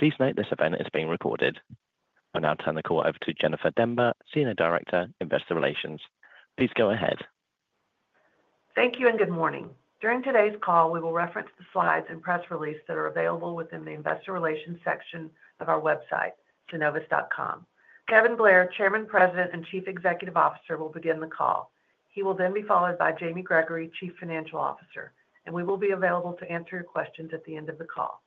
Please note this event is being recorded. I'll now turn the call over to Jennifer Demba, Senior Director, Investor Relations. Please go ahead. Thank you and good morning. During today's call, we will reference the slides and press release that are available within the Investor Relations section of our website, Synovus.com. Kevin Blair, Chairman, President, and Chief Executive Officer, will begin the call. He will then be followed by Jamie Gregory, Chief Financial Officer, and we will be available to answer your questions at the end of the call.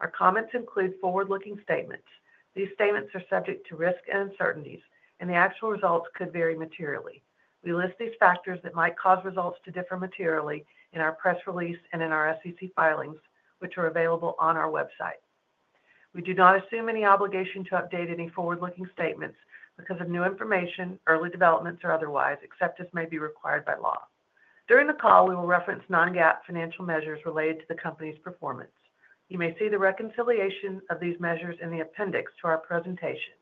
Our comments include forward-looking statements. These statements are subject to risk and uncertainties, and the actual results could vary materially. We list these factors that might cause results to differ materially in our press release and in our SEC filings, which are available on our website. We do not assume any obligation to update any forward-looking statements because of new information, early developments, or otherwise, except as may be required by law. During the call, we will reference non-GAAP financial measures related to the company's performance. You may see the reconciliation of these measures in the appendix to our presentation,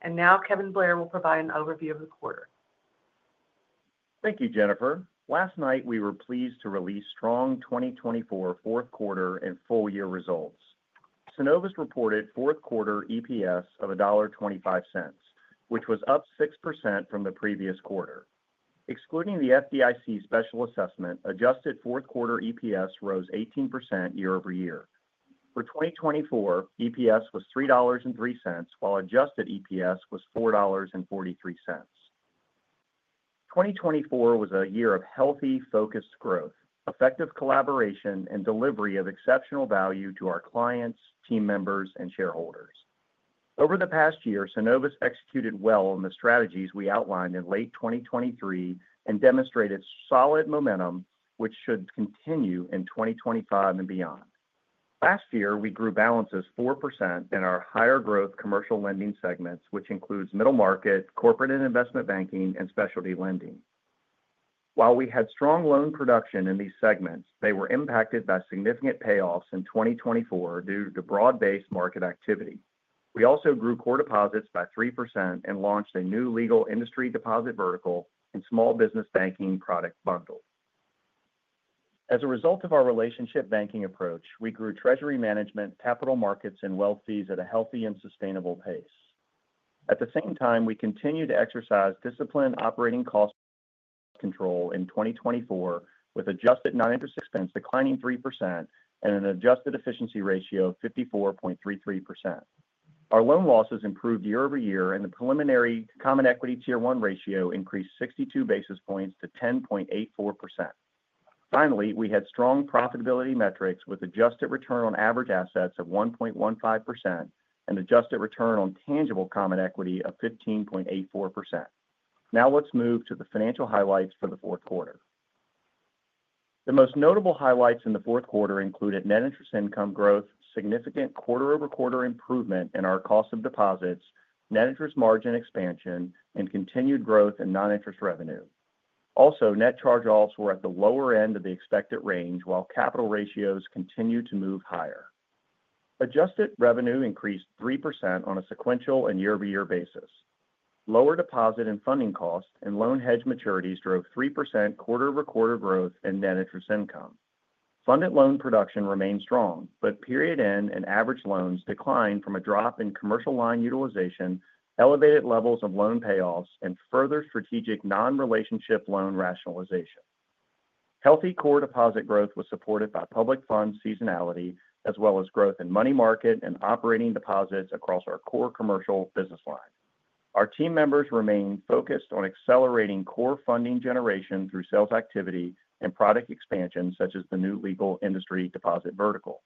and now Kevin Blair will provide an overview of the quarter. Thank you, Jennifer. Last night, we were pleased to release strong 2024 fourth quarter and full year results. Synovus reported fourth quarter EPS of $1.25, which was up 6% from the previous quarter. Excluding the FDIC special assessment, adjusted fourth quarter EPS rose 18% year over year. For 2024, EPS was $3.03, while adjusted EPS was $4.43. 2024 was a year of healthy, focused growth, effective collaboration, and delivery of exceptional value to our clients, team members, and shareholders. Over the past year, Synovus executed well on the strategies we outlined in late 2023 and demonstrated solid momentum, which should continue in 2025 and beyond. Last year, we grew balances 4% in our higher growth commercial lending segments, which includes middle market, corporate and investment banking, and specialty lending. While we had strong loan production in these segments, they were impacted by significant payoffs in 2024 due to broad-based market activity. We also grew core deposits by 3% and launched a new legal industry deposit vertical and small business banking product bundle. As a result of our relationship banking approach, we grew treasury management, capital markets, and wealth fees at a healthy and sustainable pace. At the same time, we continued to exercise disciplined operating cost control in 2024, with adjusted non-interest expense declining 3% and an adjusted efficiency ratio of 54.33%. Our loan losses improved year over year, and the preliminary Common Equity Tier 1 ratio increased 62 basis points to 10.84%. Finally, we had strong profitability metrics with adjusted return on average assets of 1.15% and adjusted return on tangible common equity of 15.84%. Now let's move to the financial highlights for the fourth quarter. The most notable highlights in the fourth quarter included net interest income growth, significant quarter-over-quarter improvement in our cost of deposits, net interest margin expansion, and continued growth in non-interest revenue. Also, net charge-offs were at the lower end of the expected range, while capital ratios continued to move higher. Adjusted revenue increased 3% on a sequential and year-over-year basis. Lower deposit and funding costs and loan hedge maturities drove 3% quarter-over-quarter growth in net interest income. Funded loan production remained strong, but period end and average loans declined from a drop in commercial line utilization, elevated levels of loan payoffs, and further strategic non-relationship loan rationalization. Healthy core deposit growth was supported by public fund seasonality, as well as growth in money market and operating deposits across our core commercial business line. Our team members remained focused on accelerating core funding generation through sales activity and product expansion, such as the new legal industry deposit vertical.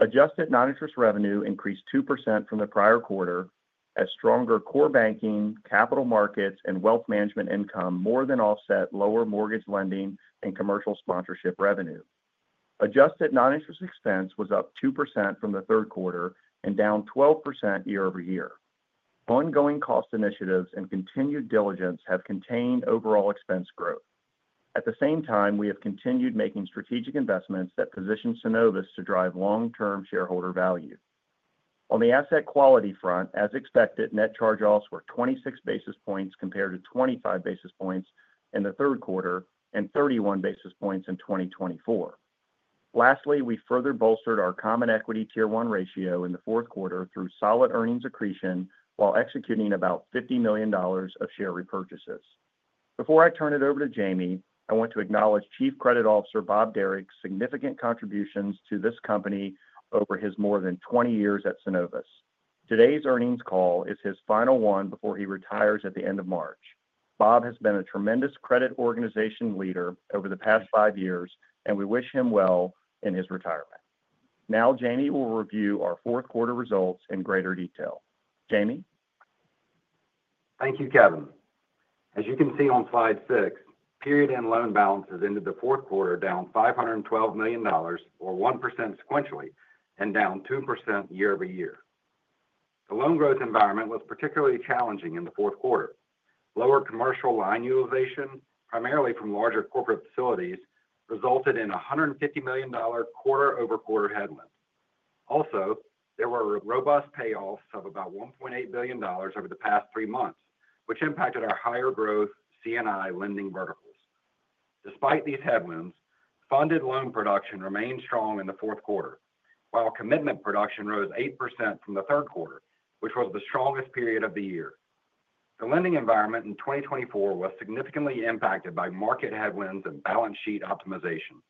Adjusted non-interest revenue increased 2% from the prior quarter, as stronger core banking, capital markets, and wealth management income more than offset lower mortgage lending and commercial sponsorship revenue. Adjusted non-interest expense was up 2% from the third quarter and down 12% year over year. Ongoing cost initiatives and continued diligence have contained overall expense growth. At the same time, we have continued making strategic investments that position Synovus to drive long-term shareholder value. On the asset quality front, as expected, net charge-offs were 26 basis points compared to 25 basis points in the third quarter and 31 basis points in 2024. Lastly, we further bolstered our Common Equity Tier 1 ratio in the fourth quarter through solid earnings accretion while executing about $50 million of share repurchases. Before I turn it over to Jamie, I want to acknowledge Chief Credit Officer Bob Derrick's significant contributions to this company over his more than 20 years at Synovus. Today's earnings call is his final one before he retires at the end of March. Bob has been a tremendous credit organization leader over the past five years, and we wish him well in his retirement. Now, Jamie will review our fourth quarter results in greater detail. Jamie? Thank you, Kevin. As you can see on slide six, period end loan balances ended the fourth quarter down $512 million, or 1% sequentially, and down 2% year over year. The loan growth environment was particularly challenging in the fourth quarter. Lower commercial line utilization, primarily from larger corporate facilities, resulted in a $150 million quarter-over-quarter headwind. Also, there were robust payoffs of about $1.8 billion over the past three months, which impacted our higher growth C&I lending verticals. Despite these headwinds, funded loan production remained strong in the fourth quarter, while commitment production rose 8% from the third quarter, which was the strongest period of the year. The lending environment in 2024 was significantly impacted by market headwinds and balance sheet optimization.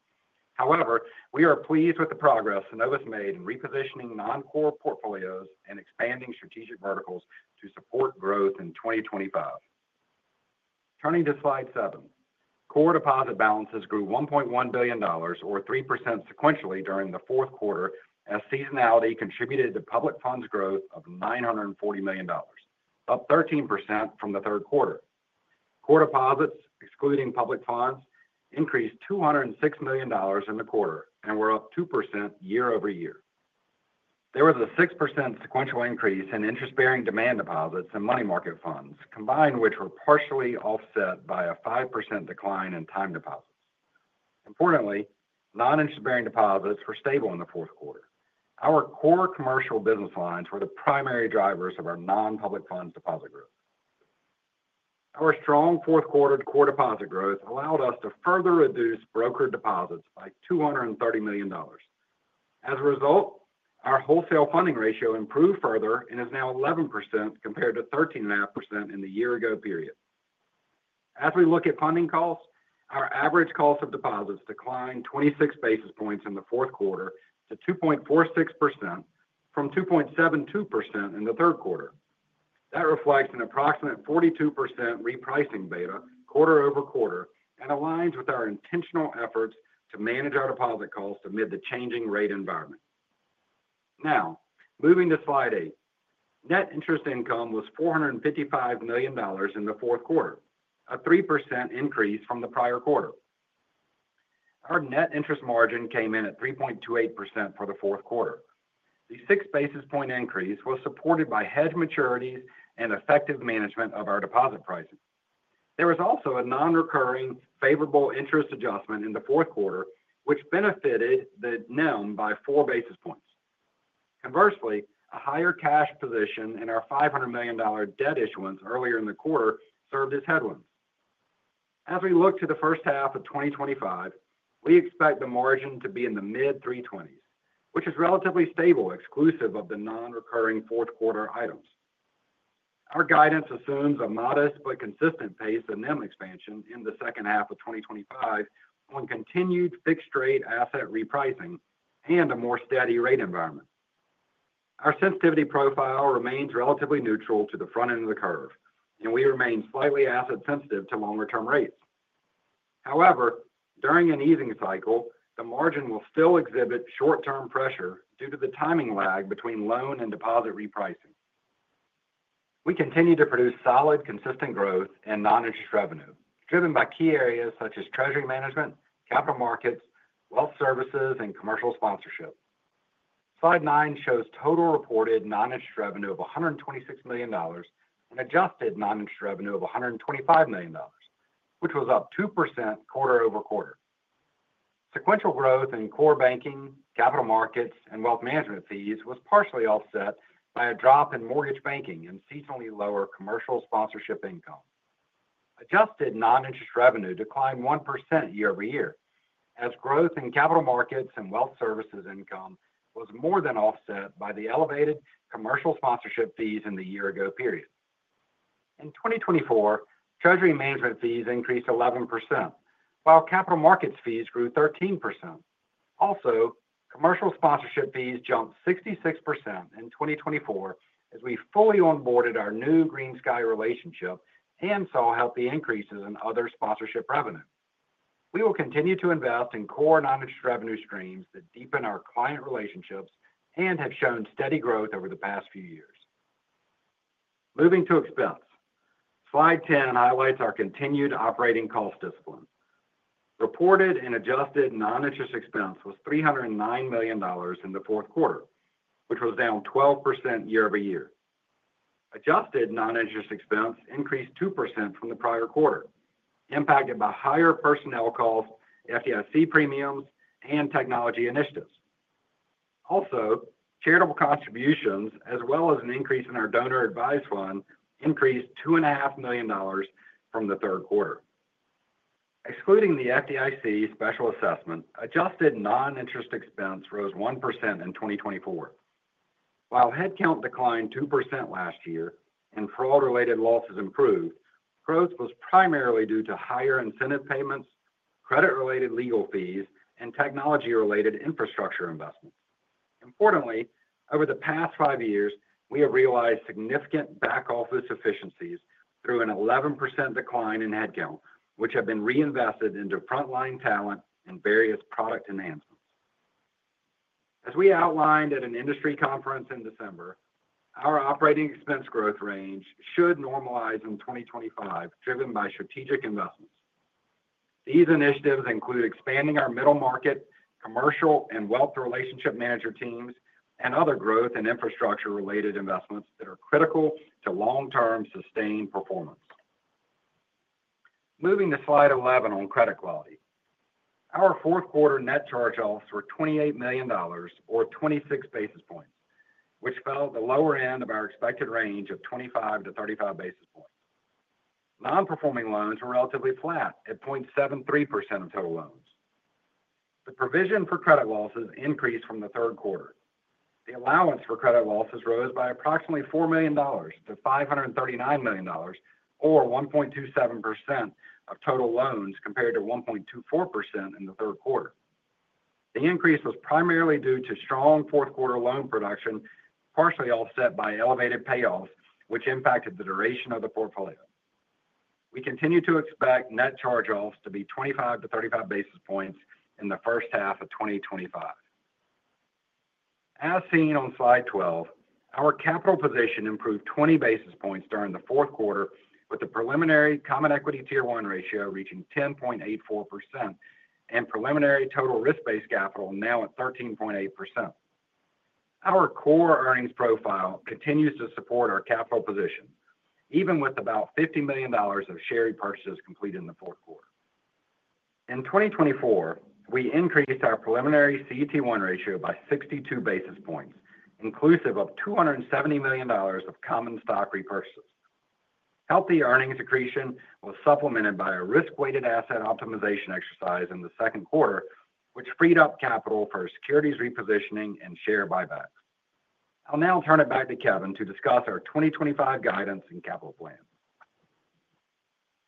However, we are pleased with the progress Synovus made in repositioning non-core portfolios and expanding strategic verticals to support growth in 2025. Turning to slide seven, core deposit balances grew $1.1 billion, or 3% sequentially, during the fourth quarter, as seasonality contributed to public funds growth of $940 million, up 13% from the third quarter. Core deposits, excluding public funds, increased $206 million in the quarter and were up 2% year over year. There was a 6% sequential increase in interest-bearing demand deposits and money market funds, combined, which were partially offset by a 5% decline in time deposits. Importantly, non-interest bearing deposits were stable in the fourth quarter. Our core commercial business lines were the primary drivers of our non-public funds deposit growth. Our strong fourth quarter core deposit growth allowed us to further reduce brokered deposits by $230 million. As a result, our wholesale funding ratio improved further and is now 11% compared to 13.5% in the year-ago period. As we look at funding costs, our average cost of deposits declined 26 basis points in the fourth quarter to 2.46% from 2.72% in the third quarter. That reflects an approximate 42% repricing beta quarter-over-quarter and aligns with our intentional efforts to manage our deposit costs amid the changing rate environment. Now, moving to slide eight, net interest income was $455 million in the fourth quarter, a 3% increase from the prior quarter. Our net interest margin came in at 3.28% for the fourth quarter. The 6 basis point increase was supported by hedge maturities and effective management of our deposit pricing. There was also a non-recurring favorable interest adjustment in the fourth quarter, which benefited the NIM by 4 basis points. Conversely, a higher cash position and our $500 million debt issuance earlier in the quarter served as headwinds. As we look to the first half of 2025, we expect the margin to be in the mid-320s, which is relatively stable exclusive of the non-recurring fourth quarter items. Our guidance assumes a modest but consistent pace of NIM expansion in the second half of 2025 on continued fixed-rate asset repricing and a more steady rate environment. Our sensitivity profile remains relatively neutral to the front end of the curve, and we remain slightly asset-sensitive to longer-term rates. However, during an easing cycle, the margin will still exhibit short-term pressure due to the timing lag between loan and deposit repricing. We continue to produce solid, consistent growth in non-interest revenue, driven by key areas such as treasury management, capital markets, wealth services, and commercial sponsorship. Slide nine shows total reported non-interest revenue of $126 million and adjusted non-interest revenue of $125 million, which was up 2% quarter-over-quarter. Sequential growth in core banking, capital markets, and wealth management fees was partially offset by a drop in mortgage banking and seasonally lower commercial sponsorship income. Adjusted non-interest revenue declined 1% year over year, as growth in capital markets and wealth services income was more than offset by the elevated commercial sponsorship fees in the year-ago period. In 2024, treasury management fees increased 11%, while capital markets fees grew 13%. Also, commercial sponsorship fees jumped 66% in 2024 as we fully onboarded our new GreenSky relationship and saw healthy increases in other sponsorship revenue. We will continue to invest in core non-interest revenue streams that deepen our client relationships and have shown steady growth over the past few years. Moving to expense, slide 10 highlights our continued operating cost discipline. Reported and adjusted non-interest expense was $309 million in the fourth quarter, which was down 12% year-over-year. Adjusted non-interest expense increased 2% from the prior quarter, impacted by higher personnel costs, FDIC premiums, and technology initiatives. Also, charitable contributions, as well as an increase in our donor-advised fund, increased $2.5 million from the third quarter. Excluding the FDIC special assessment, adjusted non-interest expense rose 1% in 2024. While headcount declined 2% last year and fraud-related losses improved, growth was primarily due to higher incentive payments, credit-related legal fees, and technology-related infrastructure investments. Importantly, over the past five years, we have realized significant back-office efficiencies through an 11% decline in headcount, which have been reinvested into frontline talent and various product enhancements. As we outlined at an industry conference in December, our operating expense growth range should normalize in 2025, driven by strategic investments. These initiatives include expanding our middle market, commercial, and wealth relationship manager teams, and other growth and infrastructure-related investments that are critical to long-term sustained performance. Moving to slide 11 on credit quality. Our fourth quarter net charge-offs were $28 million, or 26 basis points, which fell at the lower end of our expected range of 25 to 35 basis points. Non-performing loans were relatively flat at 0.73% of total loans. The provision for credit losses increased from the third quarter. The allowance for credit losses rose by approximately $4 million to $539 million, or 1.27% of total loans compared to 1.24% in the third quarter. The increase was primarily due to strong fourth quarter loan production, partially offset by elevated payoffs, which impacted the duration of the portfolio. We continue to expect net charge-offs to be 25 to 35 basis points in the first half of 2025. As seen on slide 12, our capital position improved 20 basis points during the fourth quarter, with the preliminary Common Equity Tier 1 ratio reaching 10.84% and preliminary total risk-based capital now at 13.8%. Our core earnings profile continues to support our capital position, even with about $50 million of share repurchases completed in the fourth quarter. In 2024, we increased our preliminary CET1 ratio by 62 basis points, inclusive of $270 million of common stock repurchases. Healthy earnings accretion was supplemented by a risk-weighted asset optimization exercise in the second quarter, which freed up capital for securities repositioning and share buybacks. I'll now turn it back to Kevin to discuss our 2025 guidance and capital plan.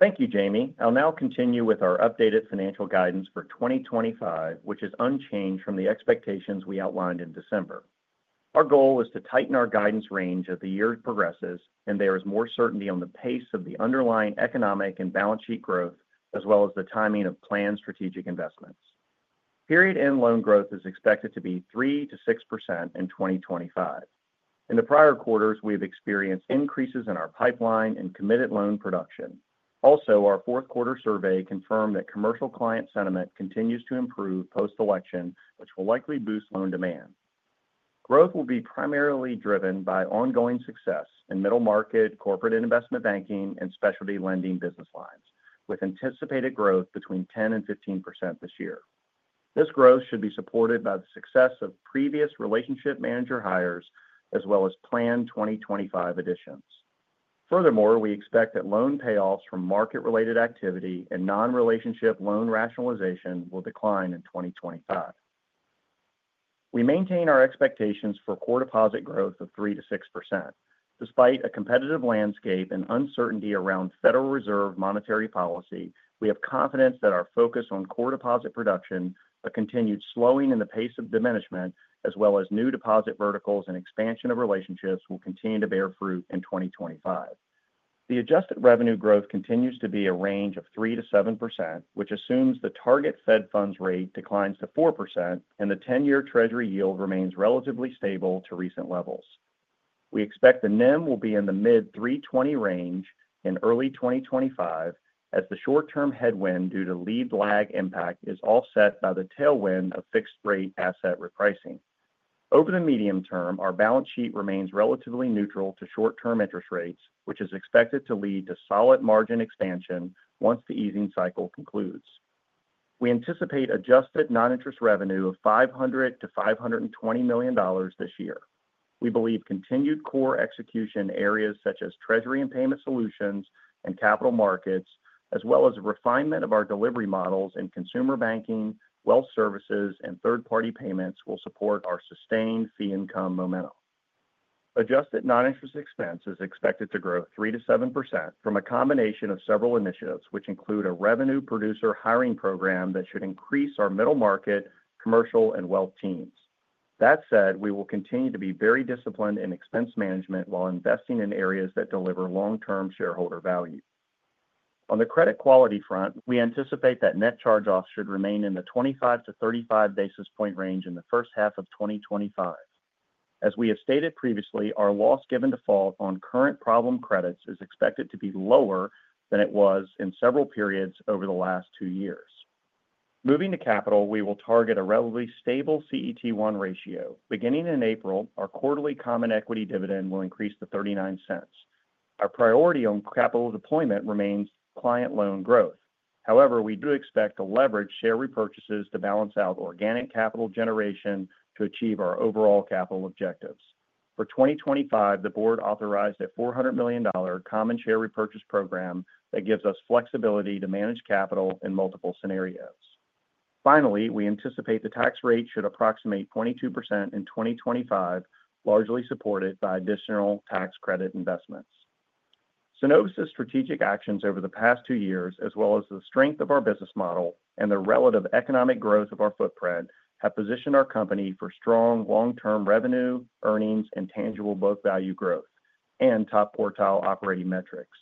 Thank you, Jamie. I'll now continue with our updated financial guidance for 2025, which is unchanged from the expectations we outlined in December. Our goal is to tighten our guidance range as the year progresses and there is more certainty on the pace of the underlying economic and balance sheet growth, as well as the timing of planned strategic investments. Period end loan growth is expected to be 3%-6% in 2025. In the prior quarters, we have experienced increases in our pipeline and committed loan production. Also, our fourth quarter survey confirmed that commercial client sentiment continues to improve post-election, which will likely boost loan demand. Growth will be primarily driven by ongoing success in middle market, corporate investment banking, and specialty lending business lines, with anticipated growth between 10% and 15% this year. This growth should be supported by the success of previous relationship manager hires, as well as planned 2025 additions. Furthermore, we expect that loan payoffs from market-related activity and non-relationship loan rationalization will decline in 2025. We maintain our expectations for core deposit growth of 3%-6%. Despite a competitive landscape and uncertainty around Federal Reserve monetary policy, we have confidence that our focus on core deposit production, a continued slowing in the pace of diminishment, as well as new deposit verticals and expansion of relationships, will continue to bear fruit in 2025. The adjusted revenue growth continues to be a range of 3%-7%, which assumes the target Fed funds rate declines to 4% and the 10-year Treasury yield remains relatively stable to recent levels. We expect the NIM will be in the mid-320 range in early 2025, as the short-term headwind due to lead-lag impact is offset by the tailwind of fixed-rate asset repricing. Over the medium term, our balance sheet remains relatively neutral to short-term interest rates, which is expected to lead to solid margin expansion once the easing cycle concludes. We anticipate adjusted non-interest revenue of $500 million-$520 million this year. We believe continued core execution in areas such as Treasury and Payment Solutions and capital markets, as well as a refinement of our delivery models in consumer banking, wealth services, and Third-Party Payments, will support our sustained fee income momentum. Adjusted non-interest expense is expected to grow 3%-7% from a combination of several initiatives, which include a revenue producer hiring program that should increase our middle market, commercial, and wealth teams. That said, we will continue to be very disciplined in expense management while investing in areas that deliver long-term shareholder value. On the credit quality front, we anticipate that net charge-offs should remain in the 25-35 basis points range in the first half of 2025. As we have stated previously, our loss given default on current problem credits is expected to be lower than it was in several periods over the last two years. Moving to capital, we will target a relatively stable CET1 ratio. Beginning in April, our quarterly common equity dividend will increase to $0.39. Our priority on capital deployment remains client loan growth. However, we do expect to leverage share repurchases to balance out organic capital generation to achieve our overall capital objectives. For 2025, the board authorized a $400 million common share repurchase program that gives us flexibility to manage capital in multiple scenarios. Finally, we anticipate the tax rate should approximate 22% in 2025, largely supported by additional tax credit investments. Synovus' strategic actions over the past two years, as well as the strength of our business model and the relative economic growth of our footprint, have positioned our company for strong long-term revenue, earnings, and tangible book value growth and top quartile operating metrics.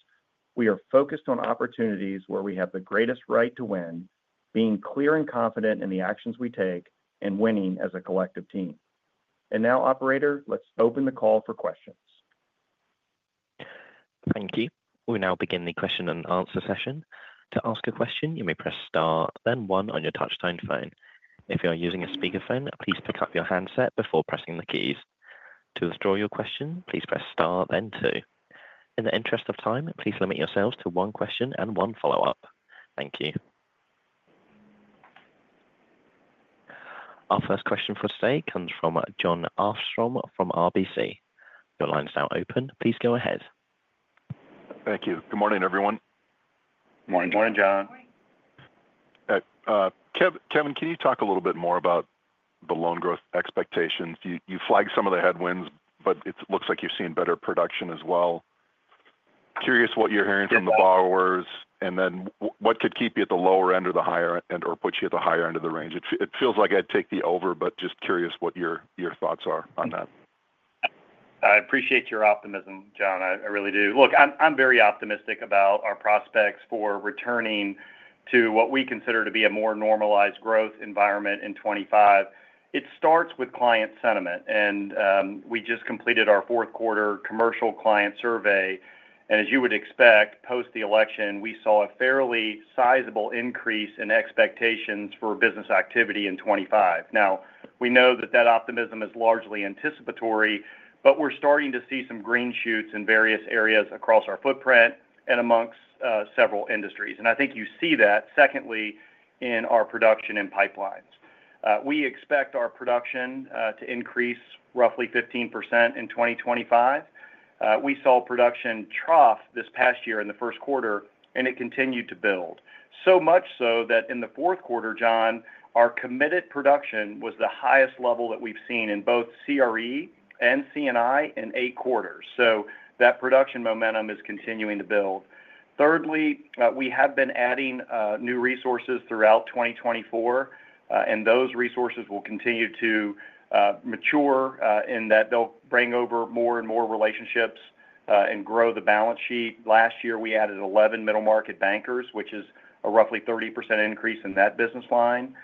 We are focused on opportunities where we have the greatest right to win, being clear and confident in the actions we take and winning as a collective team. And now, operator, let's open the call for questions. Thank you. We'll now begin the question and answer session. To ask a question, you may press star, then 1 on your touchscreen phone. If you're using a speakerphone, please pick up your handset before pressing the keys. To withdraw your question, please press star, then 2. In the interest of time, please limit yourselves to one question and one follow-up. Thank you. Our first question for today comes from John Arfstrom from RBC. Your line is now open. Please go ahead. Thank you. Good morning, everyone. Good morning. Morning, John. Morning. Okay. Kevin, can you talk a little bit more about the loan growth expectations? You flagged some of the headwinds, but it looks like you've seen better production as well. Curious what you're hearing from the borrowers, and then what could keep you at the lower end or the higher end or put you at the higher end of the range. It feels like I'd take the over, but just curious what your thoughts are on that? I appreciate your optimism, John. I really do. Look, I'm very optimistic about our prospects for returning to what we consider to be a more normalized growth environment in 2025. It starts with client sentiment, and we just completed our fourth quarter commercial client survey. And as you would expect, post the election, we saw a fairly sizable increase in expectations for business activity in 2025. Now, we know that that optimism is largely anticipatory, but we're starting to see some green shoots in various areas across our footprint and amongst several industries. And I think you see that, secondly, in our production and pipelines. We expect our production to increase roughly 15% in 2025. We saw production trough this past year in the first quarter, and it continued to build. So much so that in the fourth quarter, John, our committed production was the highest level that we've seen in both CRE and C&I in eight quarters. So that production momentum is continuing to build. Thirdly, we have been adding new resources throughout 2024, and those resources will continue to mature in that they'll bring over more and more relationships and grow the balance sheet. Last year, we added 11 middle market bankers, which is a roughly 30% increase in that business line.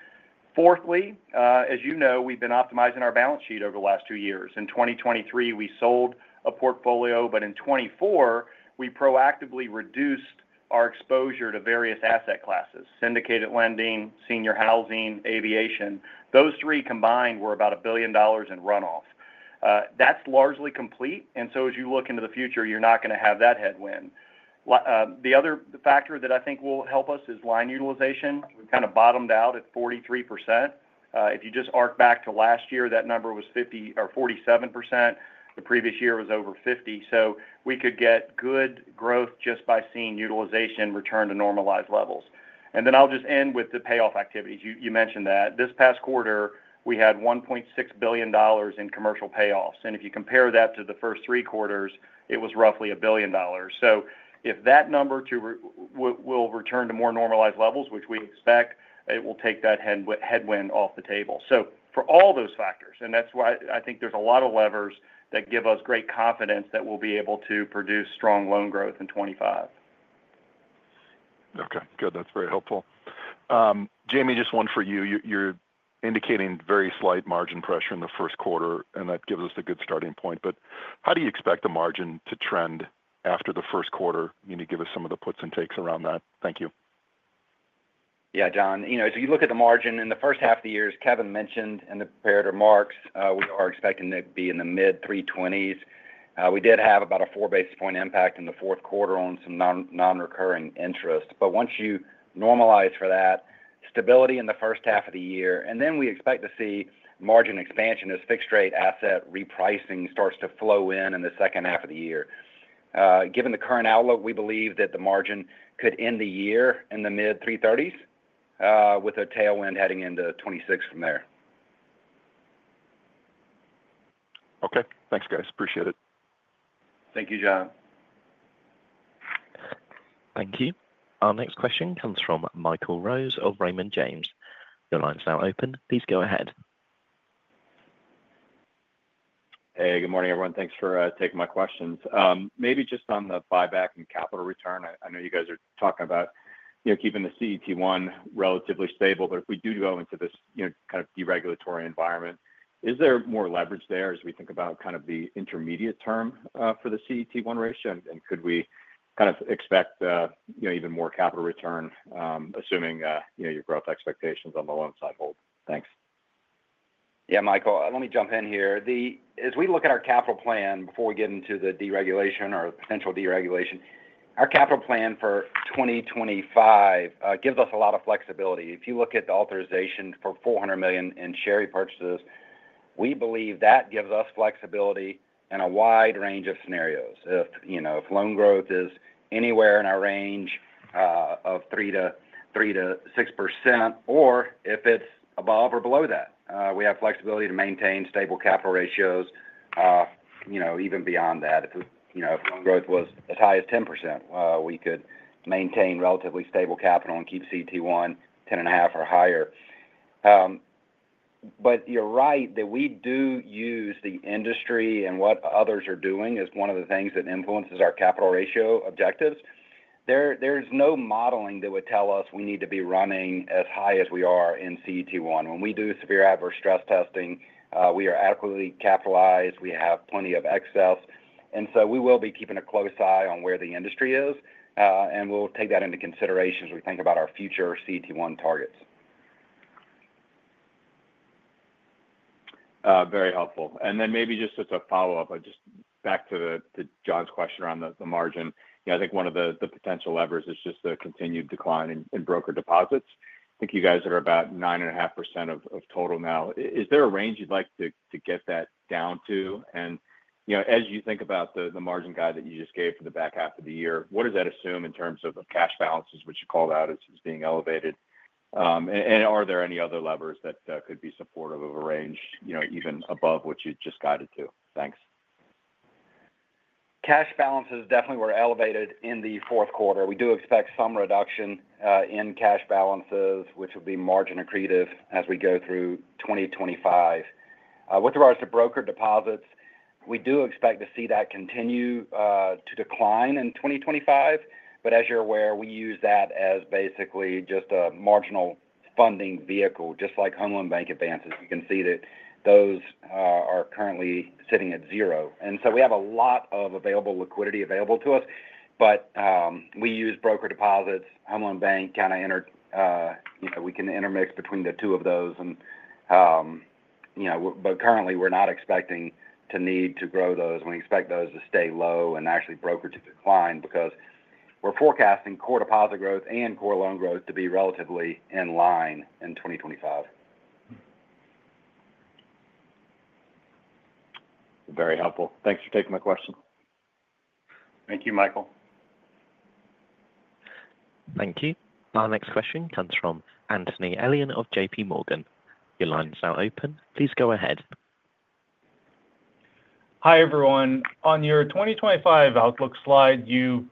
Fourthly, as you know, we've been optimizing our balance sheet over the last two years. In 2023, we sold a portfolio, but in 2024, we proactively reduced our exposure to various asset classes: syndicated lending, senior housing, aviation. Those three combined were about $1 billion in runoff. That's largely complete, and so as you look into the future, you're not going to have that headwind. The other factor that I think will help us is line utilization. We kind of bottomed out at 43%. If you just arc back to last year, that number was 47%. The previous year was over 50%. So we could get good growth just by seeing utilization return to normalized levels. And then I'll just end with the payoff activities. You mentioned that. This past quarter, we had $1.6 billion in commercial payoffs. And if you compare that to the first three quarters, it was roughly $1 billion. So if that number will return to more normalized levels, which we expect, it will take that headwind off the table. So for all those factors, and that's why I think there's a lot of levers that give us great confidence that we'll be able to produce strong loan growth in 2025. Okay. Good. That's very helpful. Jamie, just one for you. You're indicating very slight margin pressure in the first quarter, and that gives us a good starting point. But how do you expect the margin to trend after the first quarter? You need to give us some of the puts and takes around that. Thank you. Yeah, John. As you look at the margin in the first half of the year, Kevin mentioned in the prepared remarks, we are expecting to be in the mid-320s. We did have about a four basis point impact in the fourth quarter on some non-recurring interest. But once you normalize for that, stability in the first half of the year, and then we expect to see margin expansion as fixed-rate asset repricing starts to flow in in the second half of the year. Given the current outlook, we believe that the margin could end the year in the mid-330s with a tailwind heading into 2026 from there. Okay. Thanks, guys. Appreciate it. Thank you, John. Thank you. Our next question comes from Michael Rose of Raymond James. Your line is now open. Please go ahead. Hey, good morning, everyone. Thanks for taking my questions. Maybe just on the buyback and capital return, I know you guys are talking about keeping the CET1 relatively stable, but if we do go into this kind of deregulatory environment, is there more leverage there as we think about kind of the intermediate term for the CET1 ratio? And could we kind of expect even more capital return, assuming your growth expectations on the loan side hold? Thanks. Yeah, Michael, let me jump in here. As we look at our capital plan before we get into the deregulation or potential deregulation, our capital plan for 2025 gives us a lot of flexibility. If you look at the authorization for $400 million in share repurchases, we believe that gives us flexibility in a wide range of scenarios. If loan growth is anywhere in our range of 3%-6%, or if it's above or below that, we have flexibility to maintain stable capital ratios even beyond that. If loan growth was as high as 10%, we could maintain relatively stable capital and keep CET1 10.5 or higher. But you're right that we do use the industry and what others are doing as one of the things that influences our capital ratio objectives. There's no modeling that would tell us we need to be running as high as we are in CET1. When we do severe adverse stress testing, we are adequately capitalized. We have plenty of excess, and so we will be keeping a close eye on where the industry is, and we'll take that into consideration as we think about our future CET1 targets. Very helpful. And then maybe just as a follow-up, just back to John's question around the margin, I think one of the potential levers is just the continued decline in broker deposits. I think you guys are about 9.5% of total now. Is there a range you'd like to get that down to? And as you think about the margin guide that you just gave for the back half of the year, what does that assume in terms of cash balances, which you called out as being elevated? And are there any other levers that could be supportive of a range even above what you just guided to? Thanks. Cash balances definitely were elevated in the fourth quarter. We do expect some reduction in cash balances, which will be margin accretive as we go through 2025. With regards to broker deposits, we do expect to see that continue to decline in 2025. But as you're aware, we use that as basically just a marginal funding vehicle, just like Home Loan Bank advances. You can see that those are currently sitting at zero. And so we have a lot of available liquidity available to us, but we use broker deposits, Home Loan Bank kind of intermix between the two of those. But currently, we're not expecting to need to grow those. We expect those to stay low and actually broker to decline because we're forecasting core deposit growth and core loan growth to be relatively in line in 2025. Very helpful. Thanks for taking my question. Thank you, Michael. Thank you. Our next question comes from Anthony Elian of JPMorgan. Your line is now open. Please go ahead. Hi, everyone. On your 2025 outlook slide, you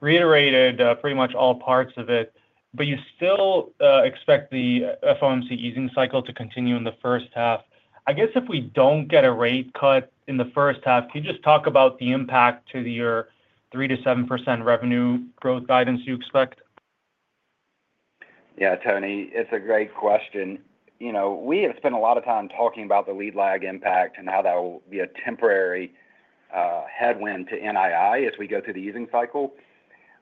reiterated pretty much all parts of it, but you still expect the FOMC easing cycle to continue in the first half. I guess if we don't get a rate cut in the first half, can you just talk about the impact to your 3%-7% revenue growth guidance you expect? Yeah, Tony, it's a great question. We have spent a lot of time talking about the lead lag impact and how that will be a temporary headwind to NII as we go through the easing cycle.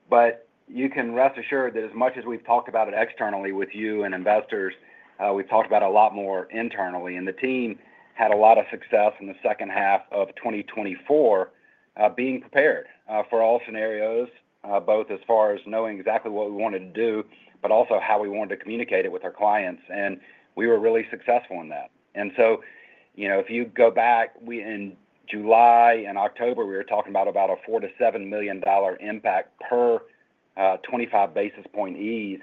But you can rest assured that as much as we've talked about it externally with you and investors, we've talked about a lot more internally. And the team had a lot of success in the second half of 2024 being prepared for all scenarios, both as far as knowing exactly what we wanted to do, but also how we wanted to communicate it with our clients. And we were really successful in that. And so if you go back, in July and October, we were talking about a $4-$7 million impact per 25 basis point ease.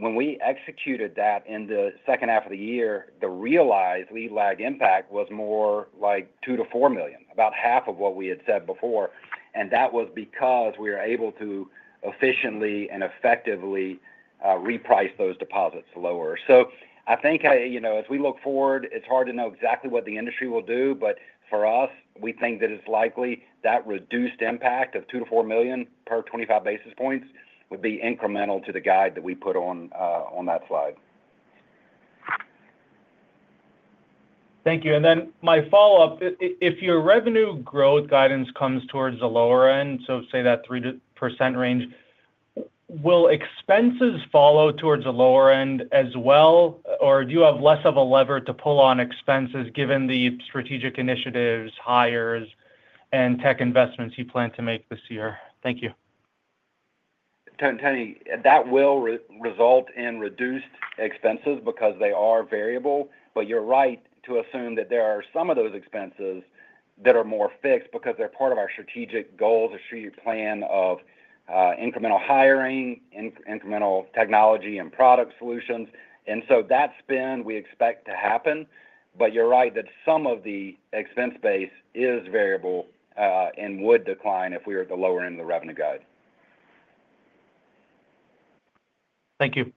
When we executed that in the second half of the year, the realized lead-lag impact was more like $2-$4 million, about half of what we had said before, and that was because we were able to efficiently and effectively reprice those deposits lower, so I think as we look forward, it's hard to know exactly what the industry will do, but for us, we think that it's likely that reduced impact of $2-$4 million per 25 basis points would be incremental to the guide that we put on that slide. Thank you. And then my follow-up, if your revenue growth guidance comes towards the lower end, so say that 3% range, will expenses follow towards the lower end as well, or do you have less of a lever to pull on expenses given the strategic initiatives, hires, and tech investments you plan to make this year? Thank you. Tony, that will result in reduced expenses because they are variable. But you're right to assume that there are some of those expenses that are more fixed because they're part of our strategic goals, our strategic plan of incremental hiring, incremental technology, and product solutions. And so that spend we expect to happen. But you're right that some of the expense base is variable and would decline if we were at the lower end of the revenue guide. Thank you.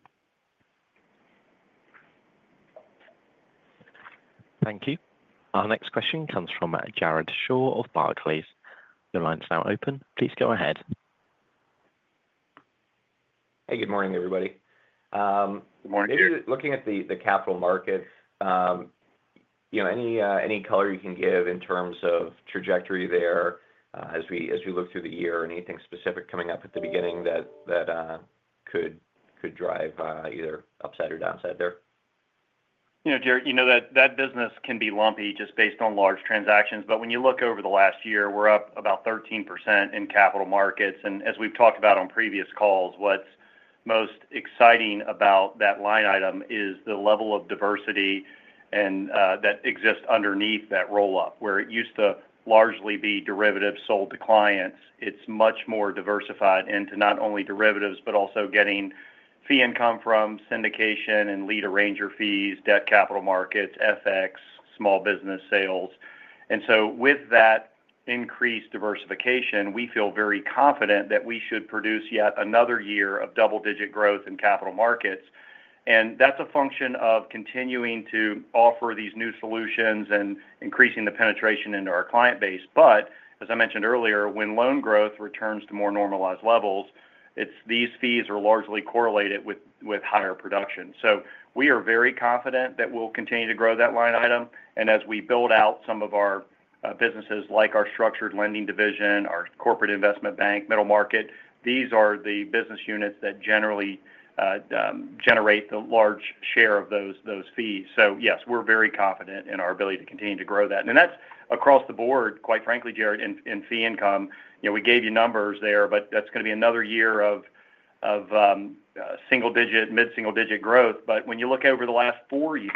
Thank you. Our next question comes from Jared Shaw of Barclays. Your line is now open. Please go ahead. Hey, good morning, everybody. Good morning. If you're looking at the capital markets, any color you can give in terms of trajectory there as we look through the year, anything specific coming up at the beginning that could drive either upside or downside there? Jared, you know that that business can be lumpy just based on large transactions. But when you look over the last year, we're up about 13% in capital markets. And as we've talked about on previous calls, what's most exciting about that line item is the level of diversity that exists underneath that roll-up. Where it used to largely be derivatives sold to clients, it's much more diversified into not only derivatives, but also getting fee income from syndication and lead arranger fees, debt capital markets, FX, small business sales. And so with that increased diversification, we feel very confident that we should produce yet another year of double-digit growth in capital markets. And that's a function of continuing to offer these new solutions and increasing the penetration into our client base. But as I mentioned earlier, when loan growth returns to more normalized levels, these fees are largely correlated with higher production. So we are very confident that we'll continue to grow that line item. And as we build out some of our businesses, like our Structured Lending Division, our corporate investment bank, middle market, these are the business units that generally generate the large share of those fees. So yes, we're very confident in our ability to continue to grow that. And that's across the board, quite frankly, Jared, in fee income. We gave you numbers there, but that's going to be another year of single-digit, mid-single-digit growth. But when you look over the last four years,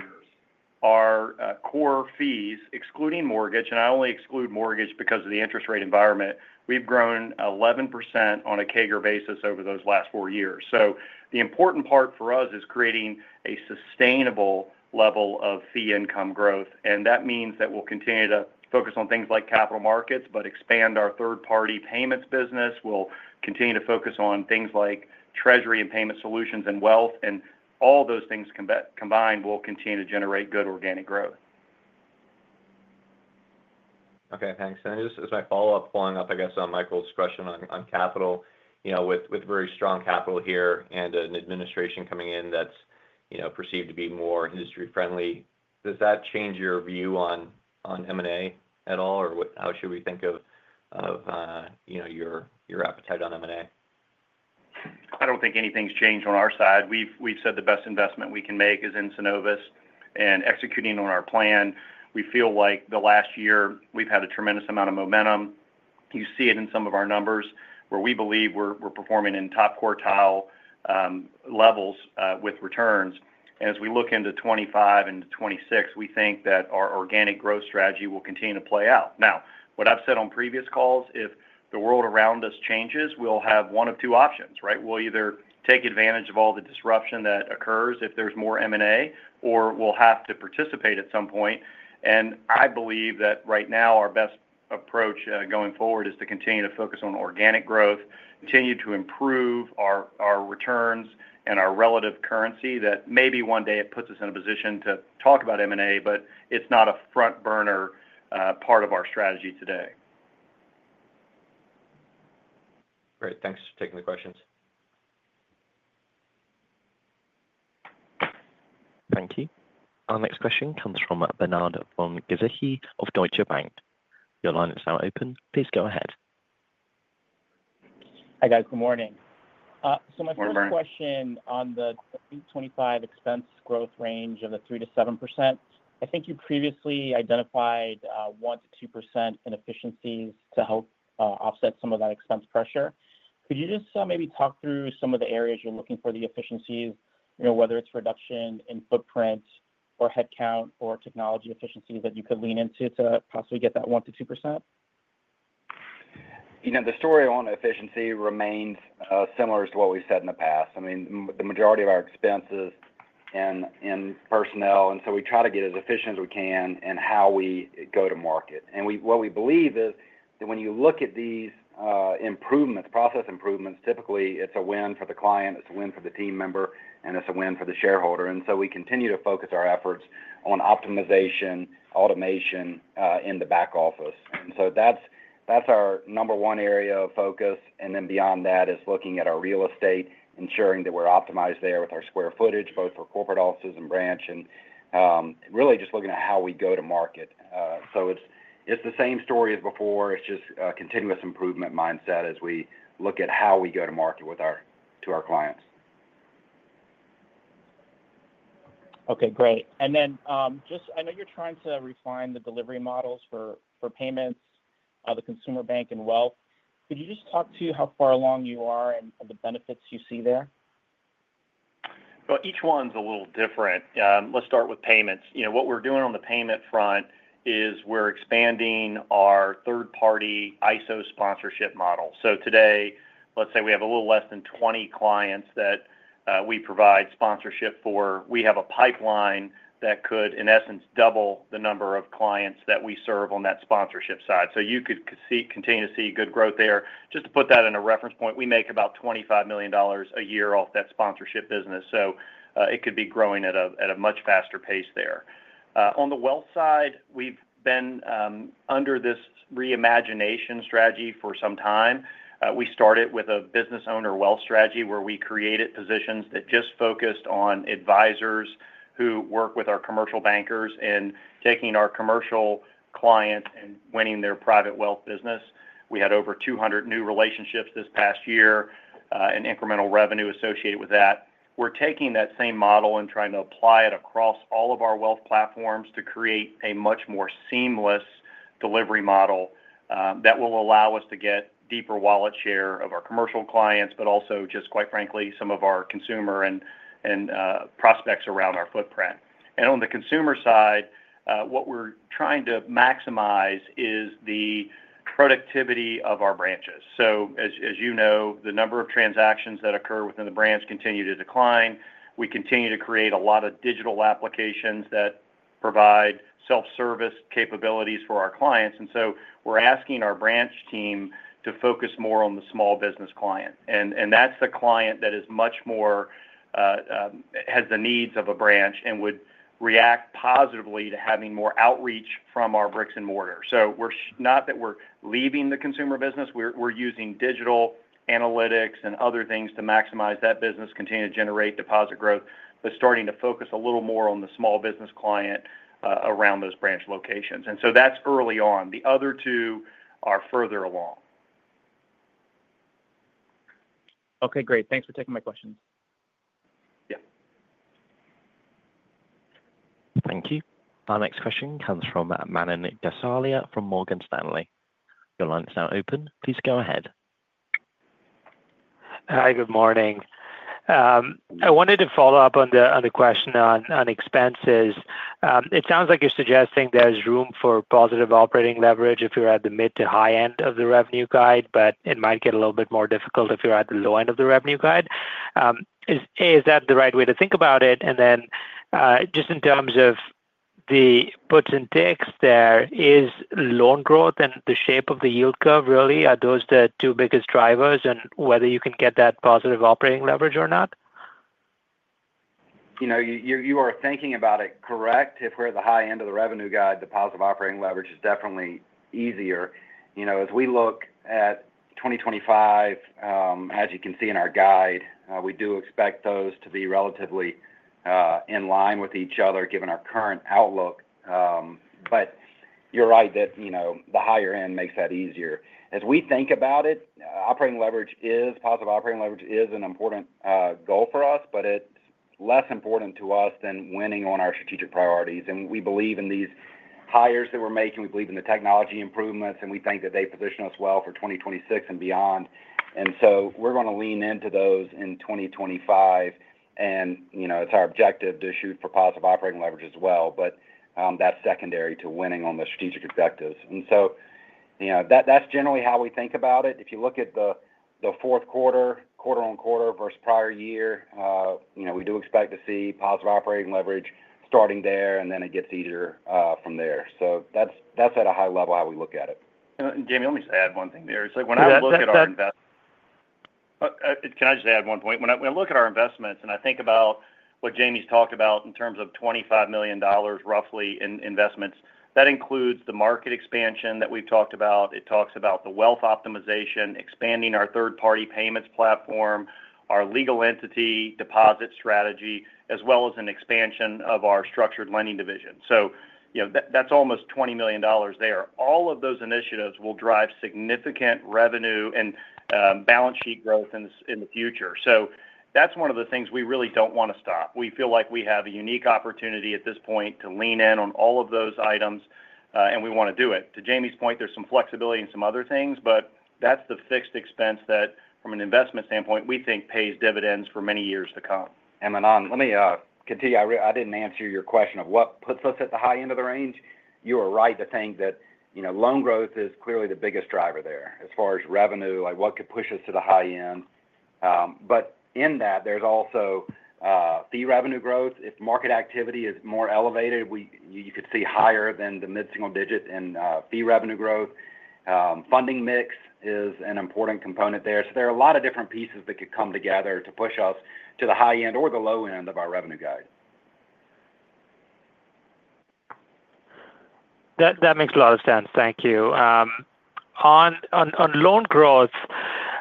our core fees, excluding mortgage, and I only exclude mortgage because of the interest rate environment, we've grown 11% on a CAGR basis over those last four years. So the important part for us is creating a sustainable level of fee income growth. And that means that we'll continue to focus on things like capital markets, but expand our third-party payments business. We'll continue to focus on things like treasury and payment solutions and wealth. And all those things combined will continue to generate good organic growth. Okay. Thanks. And just as my follow-up, following up, I guess, on Michael's question on capital, with very strong capital here and an administration coming in that's perceived to be more industry-friendly, does that change your view on M&A at all? Or how should we think of your appetite on M&A? I don't think anything's changed on our side. We've said the best investment we can make is in Synovus, and executing on our plan, we feel like the last year we've had a tremendous amount of momentum. You see it in some of our numbers where we believe we're performing in top quartile levels with returns, and as we look into 2025 and 2026, we think that our organic growth strategy will continue to play out. Now, what I've said on previous calls, if the world around us changes, we'll have one of two options, right? We'll either take advantage of all the disruption that occurs if there's more M&A, or we'll have to participate at some point. I believe that right now our best approach going forward is to continue to focus on organic growth, continue to improve our returns and our relative currency that maybe one day it puts us in a position to talk about M&A, but it's not a front-burner part of our strategy today. Great. Thanks for taking the questions. Thank you. Our next question comes from Bernard von Gizycki of Deutsche Bank. Your line is now open. Please go ahead. Hi, guys. Good morning. Good morning. My first question on the 2025 expense growth range of 3%-7%. I think you previously identified 1%-2% in efficiencies to help offset some of that expense pressure. Could you just maybe talk through some of the areas you're looking for the efficiencies, whether it's reduction in footprint or headcount or technology efficiencies that you could lean into to possibly get that 1%-2%? The story on efficiency remains similar to what we've said in the past. I mean, the majority of our expenses in personnel, and so we try to get as efficient as we can in how we go to market, and what we believe is that when you look at these improvements, process improvements, typically it's a win for the client, it's a win for the team member, and it's a win for the shareholder, and so we continue to focus our efforts on optimization, automation in the back office, and so that's our number one area of focus, and then beyond that is looking at our real estate, ensuring that we're optimized there with our square footage, both for corporate offices and branch, and really just looking at how we go to market, so it's the same story as before. It's just a continuous improvement mindset as we look at how we go to market to our clients. Okay. Great. And then just I know you're trying to refine the delivery models for payments, the consumer bank and wealth. Could you just talk to how far along you are and the benefits you see there? Each one's a little different. Let's start with payments. What we're doing on the payment front is we're expanding our third-party ISO sponsorship model. Today, let's say we have a little less than 20 clients that we provide sponsorship for. We have a pipeline that could, in essence, double the number of clients that we serve on that sponsorship side. You could continue to see good growth there. Just to put that in a reference point, we make about $25 million a year off that sponsorship business. It could be growing at a much faster pace there. On the wealth side, we've been under this reimagination strategy for some time. We started with a business owner wealth strategy where we created positions that just focused on advisors who work with our commercial bankers in taking our commercial clients and winning their private wealth business. We had over 200 new relationships this past year and incremental revenue associated with that. We're taking that same model and trying to apply it across all of our wealth platforms to create a much more seamless delivery model that will allow us to get deeper wallet share of our commercial clients, but also just, quite frankly, some of our consumer and prospects around our footprint. And on the consumer side, what we're trying to maximize is the productivity of our branches. So as you know, the number of transactions that occur within the branch continue to decline. We continue to create a lot of digital applications that provide self-service capabilities for our clients. And so we're asking our branch team to focus more on the small business client. That's the client that is much more has the needs of a branch and would react positively to having more outreach from our bricks and mortar. So not that we're leaving the consumer business, we're using digital analytics and other things to maximize that business, continue to generate deposit growth, but starting to focus a little more on the small business client around those branch locations. And so that's early on. The other two are further along. Okay. Great. Thanks for taking my questions. Yeah. Thank you. Our next question comes from Manan Gosalia from Morgan Stanley. Your line is now open. Please go ahead. Hi. Good morning. I wanted to follow up on the question on expenses. It sounds like you're suggesting there's room for positive operating leverage if you're at the mid to high end of the revenue guide, but it might get a little bit more difficult if you're at the low end of the revenue guide. Is that the right way to think about it? And then just in terms of the puts and takes, there is loan growth and the shape of the yield curve, really. Are those the two biggest drivers in whether you can get that positive operating leverage or not? You are thinking about it correctly. If we're at the high end of the revenue guide, the positive operating leverage is definitely easier. As we look at 2025, as you can see in our guide, we do expect those to be relatively in line with each other given our current outlook. But you're right that the higher end makes that easier. As we think about it, positive operating leverage is an important goal for us, but it's less important to us than winning on our strategic priorities. And we believe in these hires that we're making. We believe in the technology improvements, and we think that they position us well for 2026 and beyond. And so we're going to lean into those in 2025. And it's our objective to shoot for positive operating leverage as well, but that's secondary to winning on the strategic objectives. And so that's generally how we think about it. If you look at the fourth quarter, quarter on quarter versus prior year, we do expect to see positive operating leverage starting there, and then it gets easier from there. So that's at a high level how we look at it. Jamie, let me just add one thing there. When I look at our investments. Go ahead. Can I just add one point? When I look at our investments and I think about what Jamie's talked about in terms of $25 million roughly in investments, that includes the market expansion that we've talked about. It talks about the wealth optimization, expanding our third-party payments platform, our legal industry deposit vertical, as well as an expansion of our structured lending division. So that's almost $20 million there. All of those initiatives will drive significant revenue and balance sheet growth in the future. So that's one of the things we really don't want to stop. We feel like we have a unique opportunity at this point to lean in on all of those items, and we want to do it. To Jamie's point, there's some flexibility in some other things, but that's the fixed expense that, from an investment standpoint, we think pays dividends for many years to come. Manan let me continue. I didn't answer your question of what puts us at the high end of the range. You are right to think that loan growth is clearly the biggest driver there as far as revenue, what could push us to the high end. But in that, there's also fee revenue growth. If market activity is more elevated, you could see higher than the mid-single digit in fee revenue growth. Funding mix is an important component there. So there are a lot of different pieces that could come together to push us to the high end or the low end of our revenue guide. That makes a lot of sense. Thank you. On loan growth,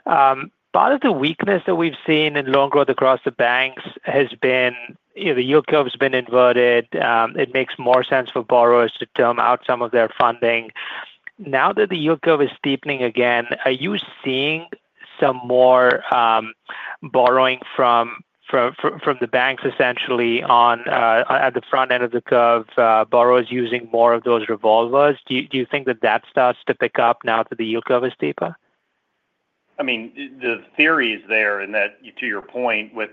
part of the weakness that we've seen in loan growth across the banks has been the yield curve has been inverted. It makes more sense for borrowers to term out some of their funding. Now that the yield curve is steepening again, are you seeing some more borrowing from the banks essentially at the front end of the curve, borrowers using more of those revolvers? Do you think that that starts to pick up now that the yield curve is steeper? I mean, the theory is there in that, to your point, with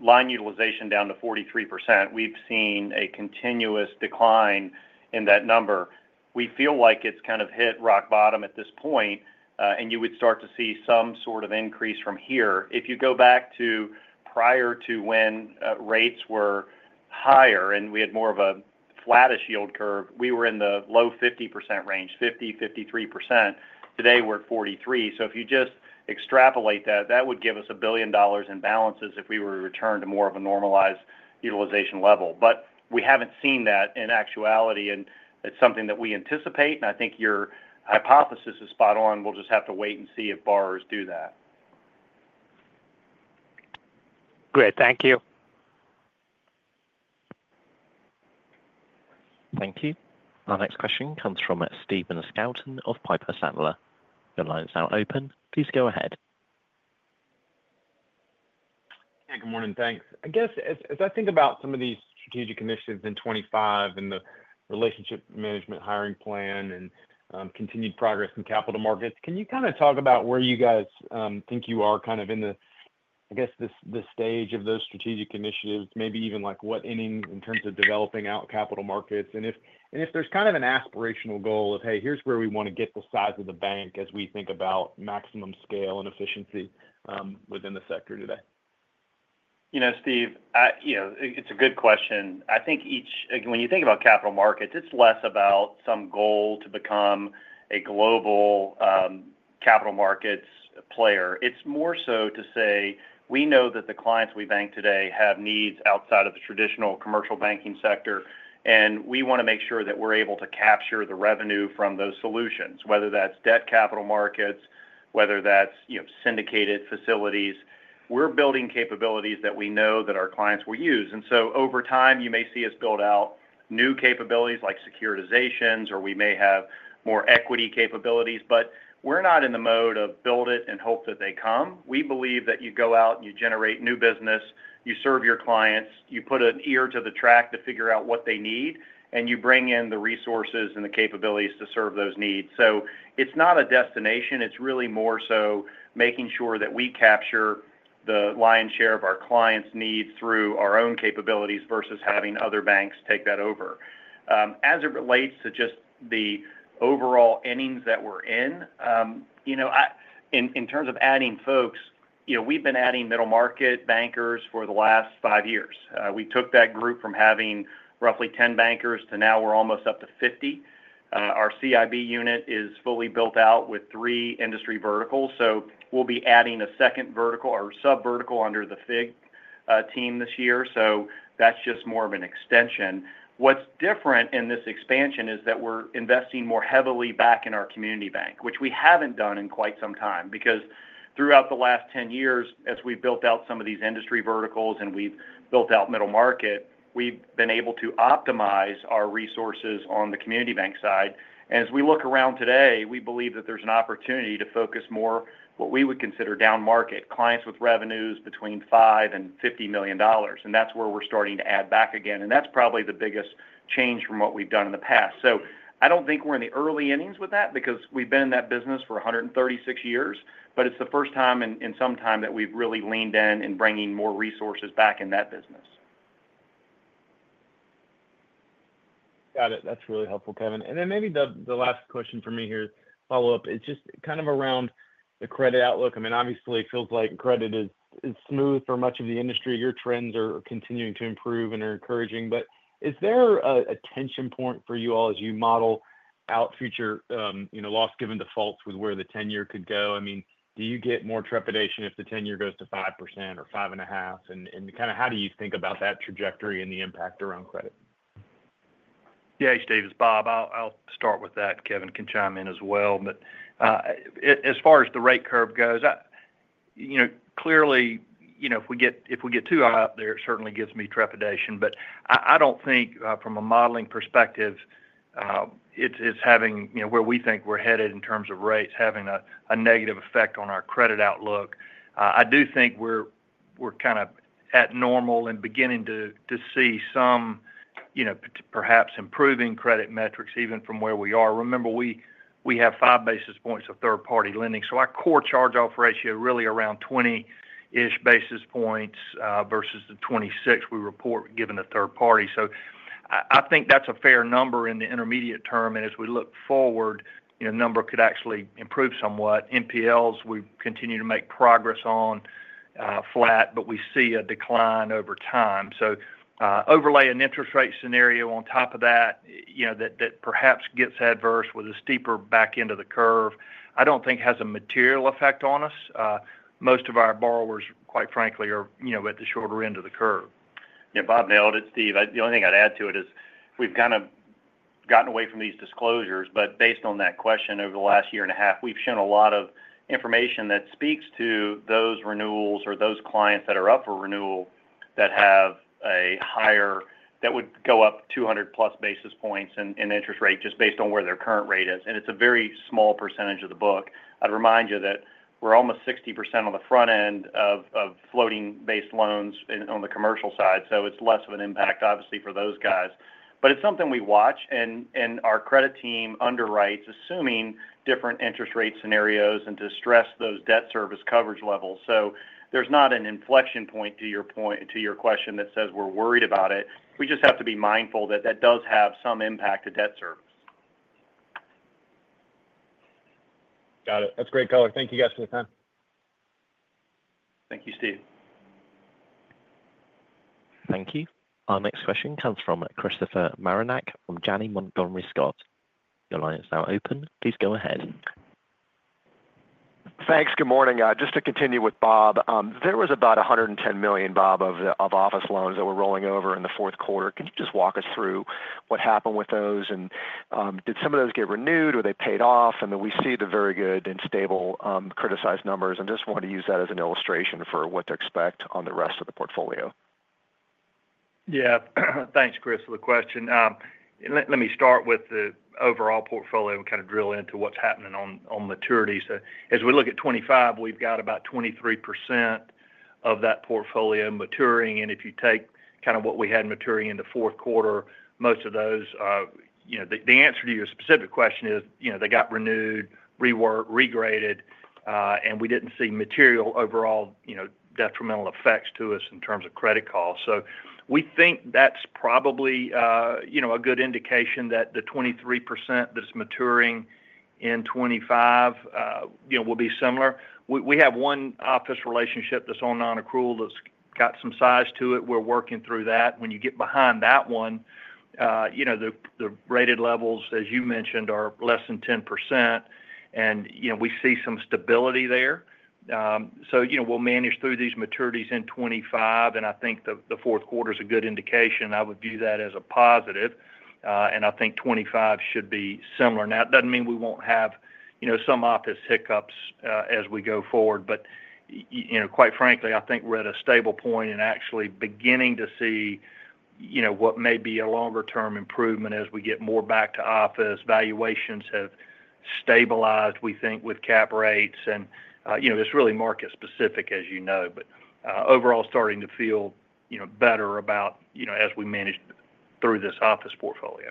line utilization down to 43%, we've seen a continuous decline in that number. We feel like it's kind of hit rock bottom at this point, and you would start to see some sort of increase from here. If you go back to prior to when rates were higher and we had more of a flattish yield curve, we were in the low 50% range, 50%-53%. Today, we're at 43%. So if you just extrapolate that, that would give us $1 billion in balances if we were to return to more of a normalized utilization level. But we haven't seen that in actuality, and it's something that we anticipate, and I think your hypothesis is spot on. We'll just have to wait and see if borrowers do that. Great. Thank you. Thank you. Our next question comes from Stephen Scouten of Piper Sandler. Your line is now open. Please go ahead. Yeah. Good morning. Thanks. I guess as I think about some of these strategic initiatives in 2025 and the relationship management hiring plan and continued progress in capital markets, can you kind of talk about where you guys think you are kind of in the, I guess, this stage of those strategic initiatives, maybe even what inning in terms of developing out capital markets? And if there's kind of an aspirational goal of, "Hey, here's where we want to get the size of the bank," as we think about maximum scale and efficiency within the sector today? You know, Steve, it's a good question. I think when you think about capital markets, it's less about some goal to become a global capital markets player. It's more so to say we know that the clients we bank today have needs outside of the traditional commercial banking sector, and we want to make sure that we're able to capture the revenue from those solutions, whether that's debt capital markets, whether that's syndicated facilities. We're building capabilities that we know that our clients will use. And so over time, you may see us build out new capabilities like securitizations, or we may have more equity capabilities, but we're not in the mode of build it and hope that they come. We believe that you go out and you generate new business, you serve your clients, you put an ear to the track to figure out what they need, and you bring in the resources and the capabilities to serve those needs. So it's not a destination. It's really more so making sure that we capture the lion's share of our clients' needs through our own capabilities versus having other banks take that over. As it relates to just the overall innings that we're in, in terms of adding folks, we've been adding middle market bankers for the last five years. We took that group from having roughly 10 bankers to now we're almost up to 50. Our CIB unit is fully built out with three industry verticals. So we'll be adding a second vertical or subvertical under the FIG team this year. So that's just more of an extension. What's different in this expansion is that we're investing more heavily back in our community bank, which we haven't done in quite some time because throughout the last 10 years, as we've built out some of these industry verticals and we've built out middle market, we've been able to optimize our resources on the community bank side, and as we look around today, we believe that there's an opportunity to focus more on what we would consider down market clients with revenues between 5 and 50 million, and that's where we're starting to add back again, and that's probably the biggest change from what we've done in the past, so I don't think we're in the early innings with that because we've been in that business for 136 years, but it's the first time in some time that we've really leaned in and bringing more resources back in that business. Got it. That's really helpful, Kevin. And then maybe the last question for me here is follow-up is just kind of around the credit outlook. I mean, obviously, it feels like credit is smooth for much of the industry. Your trends are continuing to improve and are encouraging. But is there a tension point for you all as you model out future loss given defaults with where the ten-year could go? I mean, do you get more trepidation if the ten-year goes to 5% or 5.5%? And kind of how do you think about that trajectory and the impact around credit? Yeah. Hey, Steve, it's Bob. I'll start with that. Kevin can chime in as well. But as far as the rate curve goes, clearly, if we get too high up there, it certainly gives me trepidation. But I don't think from a modeling perspective, it's having where we think we're headed in terms of rates having a negative effect on our credit outlook. I do think we're kind of at normal and beginning to see some perhaps improving credit metrics even from where we are. Remember, we have five basis points of third-party lending. So our core charge-off ratio is really around 20-ish basis points versus the 26 we report given a third party. So I think that's a fair number in the intermediate term. And as we look forward, the number could actually improve somewhat. NPLs we've continued to make progress on flat, but we see a decline over time, so overlay an interest rate scenario on top of that that perhaps gets adverse with a steeper back end of the curve, I don't think has a material effect on us. Most of our borrowers, quite frankly, are at the shorter end of the curve. Yeah. Bob nailed it. Steve, the only thing I'd add to it is we've kind of gotten away from these disclosures, but based on that question over the last year and a half, we've shown a lot of information that speaks to those renewals or those clients that are up for renewal that would go up 200-plus basis points in interest rate just based on where their current rate is. And it's a very small percentage of the book. I'd remind you that we're almost 60% on the front end of floating-based loans on the commercial side. So it's less of an impact, obviously, for those guys. But it's something we watch. And our credit team underwrites, assuming different interest rate scenarios and to stress those debt service coverage levels. So there's not an inflection point to your question that says we're worried about it. We just have to be mindful that that does have some impact to debt service. Got it. That's great, Kevin. Thank you guys for the time. Thank you, Steve. Thank you. Our next question comes from Christopher Marinak from Janney Montgomery today's call. Your line is now open. Please go ahead. Thanks. Good morning. Just to continue with Bob, there has about $110 million, Bob, of office loans that were rolling over in the fourth quarter. Can you just walk us through what happened with those? And did some of those get renewed? Were they paid off? And then we see the very good and stable criticized numbers. And just wanted to use that as an illustration for what to expect on the rest of the portfolio. Yeah. Thanks, Chris, for the question. Let me start with the overall portfolio and kind of drill into what's happening on maturity. So as we look at 2025, we've got about 23% of that portfolio maturing. And if you take kind of what we had maturing in the fourth quarter, most of those the answer to your specific question is they got renewed, reworked, regraded, and we didn't see material overall detrimental effects to us in terms of credit costs. So we think that's probably a good indication that the 23% that's maturing in 2025 will be similar. We have one office relationship that's on non-accrual that's got some size to it. We're working through that. When you get behind that one, the rated levels, as you mentioned, are less than 10%. And we see some stability there. So we'll manage through these maturities in 2025. I think the fourth quarter is a good indication. I would view that as a positive. I think 2025 should be similar. Now, it doesn't mean we won't have some office hiccups as we go forward. But quite frankly, I think we're at a stable point and actually beginning to see what may be a longer-term improvement as we get more back to office. Valuations have stabilized, we think, with cap rates. It's really market-specific, as you know. Overall, starting to feel better about as we manage through this office portfolio.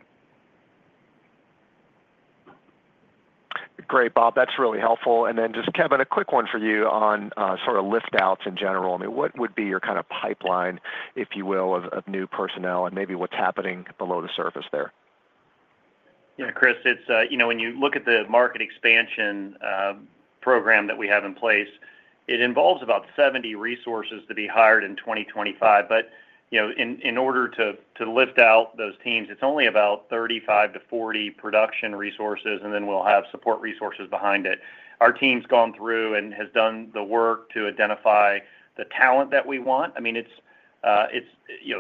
Great, Bob. That's really helpful. And then just, Kevin, a quick one for you on sort of liftouts in general. I mean, what would be your kind of pipeline, if you will, of new personnel and maybe what's happening below the surface there? Yeah. Chris, when you look at the market expansion program that we have in place, it involves about 70 resources to be hired in 2025, but in order to lift out those teams, it's only about 35-40 production resources, and then we'll have support resources behind it. Our team's gone through and has done the work to identify the talent that we want. I mean,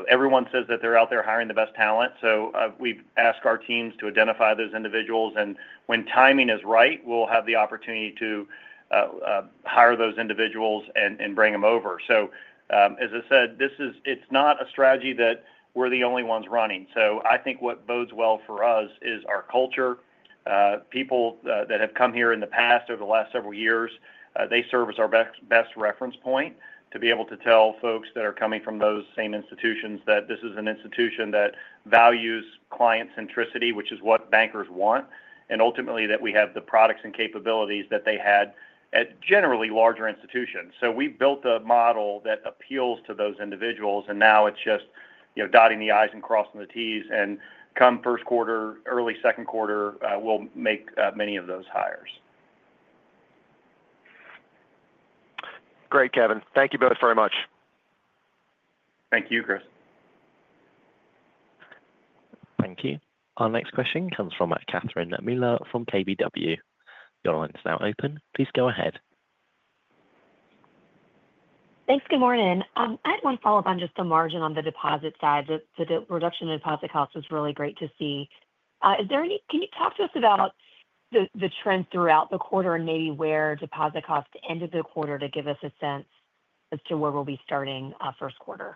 everyone says that they're out there hiring the best talent, so we've asked our teams to identify those individuals, and when timing is right, we'll have the opportunity to hire those individuals and bring them over, so as I said, it's not a strategy that we're the only ones running, so I think what bodes well for us is our culture. People that have come here in the past over the last several years, they serve as our best reference point to be able to tell folks that are coming from those same institutions that this is an institution that values client centricity, which is what bankers want, and ultimately that we have the products and capabilities that they had at generally larger institutions, so we've built a model that appeals to those individuals, and now it's just dotting the i's and crossing the t's, and come first quarter, early second quarter, we'll make many of those hires. Great, Kevin. Thank you both very much. Thank you, Chris. Thank you. Our next question comes from Catherine Mealor from KBW. Your line is now open. Please go ahead. Thanks. Good morning. I had one follow-up on just the margin on the deposit side. The reduction in deposit costs was really great to see. Can you talk to us about the trend throughout the quarter and maybe where deposit costs end of the quarter to give us a sense as to where we'll be starting first quarter?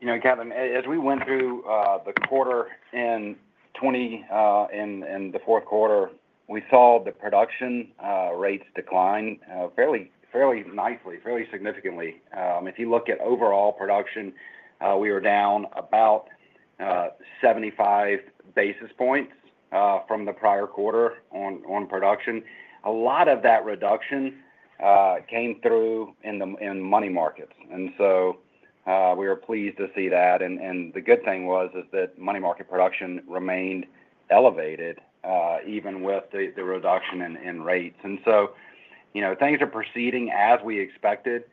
You know, Catherine, as we went through the quarter in 2020 and the fourth quarter, we saw the production rates decline fairly nicely, fairly significantly. If you look at overall production, we were down about 75 basis points from the prior quarter on production. A lot of that reduction came through in money markets. And so we were pleased to see that. And the good thing was that money market production remained elevated even with the reduction in rates. And so things are proceeding as we expected.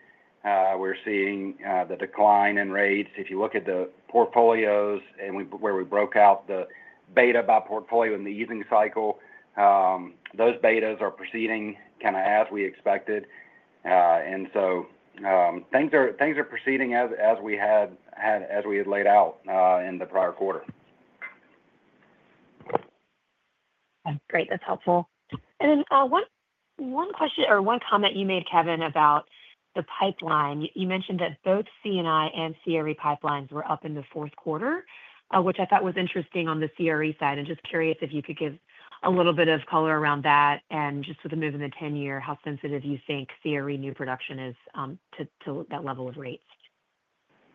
We're seeing the decline in rates. If you look at the portfolios where we broke out the beta by portfolio in the earning cycle, those betas are proceeding kind of as we expected. And so things are proceeding as we had laid out in the prior quarter. Great. That's helpful. And then one question or one comment you made, Kevin, about the pipeline. You mentioned that both C&I and CRE pipelines were up in the fourth quarter, which I thought was interesting on the CRE side. And just curious if you could give a little bit of color around that and just with the move in the 10-year, how sensitive you think CRE new production is to that level of rates.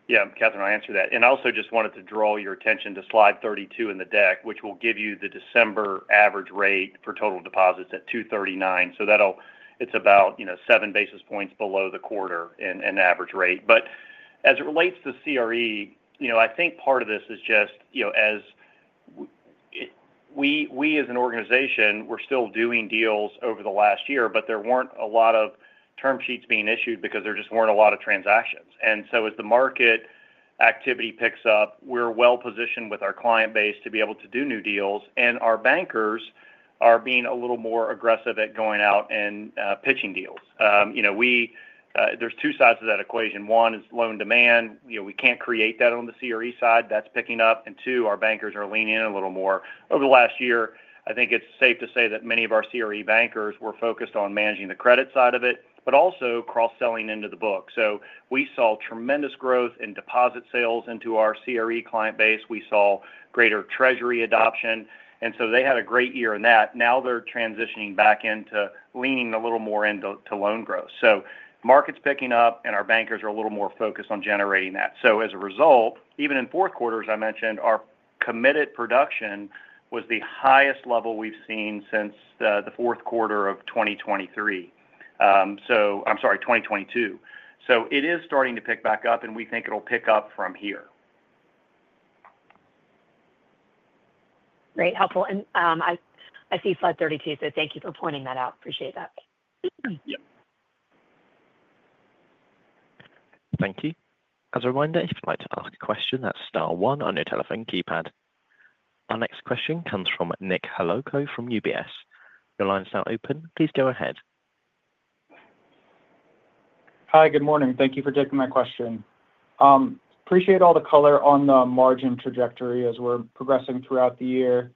Yeah. Kevin I'll answer that. And I also just wanted to draw your attention to slide 32 in the deck, which will give you the December average rate for total deposits at 239. So it's about seven basis points below the quarter in average rate. But as it relates to CRE, I think part of this is just as we as an organization, we're still doing deals over the last year, but there weren't a lot of term sheets being issued because there just weren't a lot of transactions. And so as the market activity picks up, we're well-positioned with our client base to be able to do new deals. And our bankers are being a little more aggressive at going out and pitching deals. There's two sides of that equation. One is loan demand. We can't create that on the CRE side. That's picking up. And two, our bankers are leaning in a little more. Over the last year, I think it's safe to say that many of our CRE bankers were focused on managing the credit side of it, but also cross-selling into the book. So we saw tremendous growth in deposit sales into our CRE client base. We saw greater treasury adoption. And so they had a great year in that. Now they're transitioning back into leaning a little more into loan growth. So market's picking up, and our bankers are a little more focused on generating that. So as a result, even in fourth quarters, I mentioned, our committed production was the highest level we've seen since the fourth quarter of 2023. So I'm sorry, 2022. So it is starting to pick back up, and we think it'll pick up from here. Great. Helpful. And I see slide 32, so thank you for pointing that out. Appreciate that. Thank you. As a reminder, if you'd like to ask a question, that's star one on your telephone keypad. Our next question comes from Nicholas Holowko from UBS. Your line is now open. Please go ahead. Hi. Good morning. Thank you for taking my question. Appreciate all the color on the margin trajectory as we're progressing throughout the year.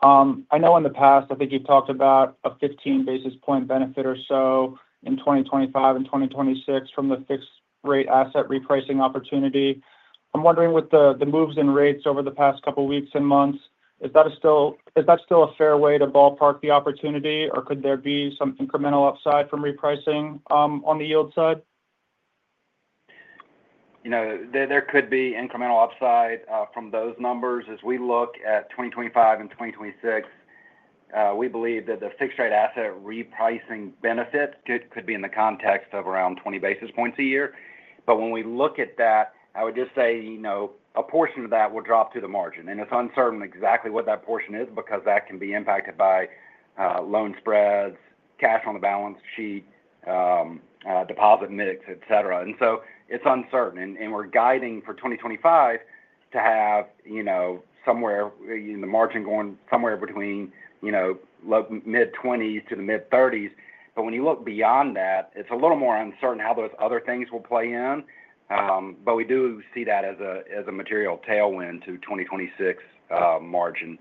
I know in the past, I think you've talked about a 15 basis point benefit or so in 2025 and 2026 from the fixed-rate asset repricing opportunity. I'm wondering with the moves in rates over the past couple of weeks and months, is that still a fair way to ballpark the opportunity, or could there be some incremental upside from repricing on the yield side? There could be incremental upside from those numbers. As we look at 2025 and 2026, we believe that the fixed-rate asset repricing benefit could be in the context of around 20 basis points a year. But when we look at that, I would just say a portion of that will drop through the margin. And it's uncertain exactly what that portion is because that can be impacted by loan spreads, cash on the balance sheet, deposit mix, etc. And so it's uncertain. And we're guiding for 2025 to have somewhere in the margin going somewhere between mid-20s to the mid-30s. But when you look beyond that, it's a little more uncertain how those other things will play in. But we do see that as a material tailwind to 2026 margin.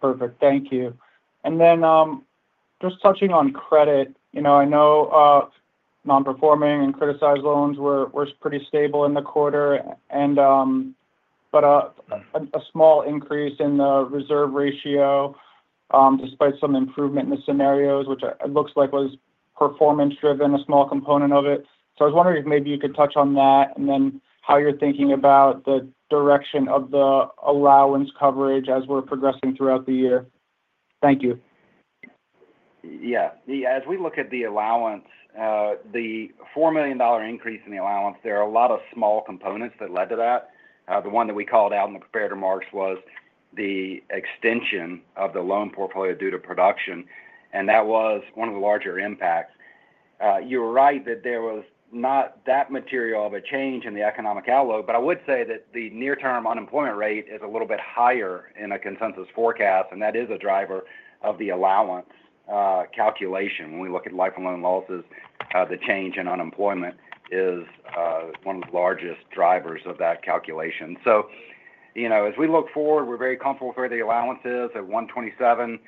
Perfect. Thank you. And then just touching on credit, I know non-performing and criticized loans were pretty stable in the quarter, but a small increase in the reserve ratio despite some improvement in the scenarios, which it looks like was performance-driven, a small component of it. So I was wondering if maybe you could touch on that and then how you're thinking about the direction of the allowance coverage as we're progressing throughout the year. Thank you. Yeah. As we look at the allowance, the $4 million increase in the allowance, there are a lot of small components that led to that. The one that we called out in the prepared remarks was the extension of the loan portfolio due to production. And that was one of the larger impacts. You're right that there was not a material change in the economic outlook, but I would say that the near-term unemployment rate is a little bit higher in a consensus forecast. And that is a driver of the allowance calculation. When we look at life-of-loan losses, the change in unemployment is one of the largest drivers of that calculation. So as we look forward, we're very comfortable with where the allowance is at 127.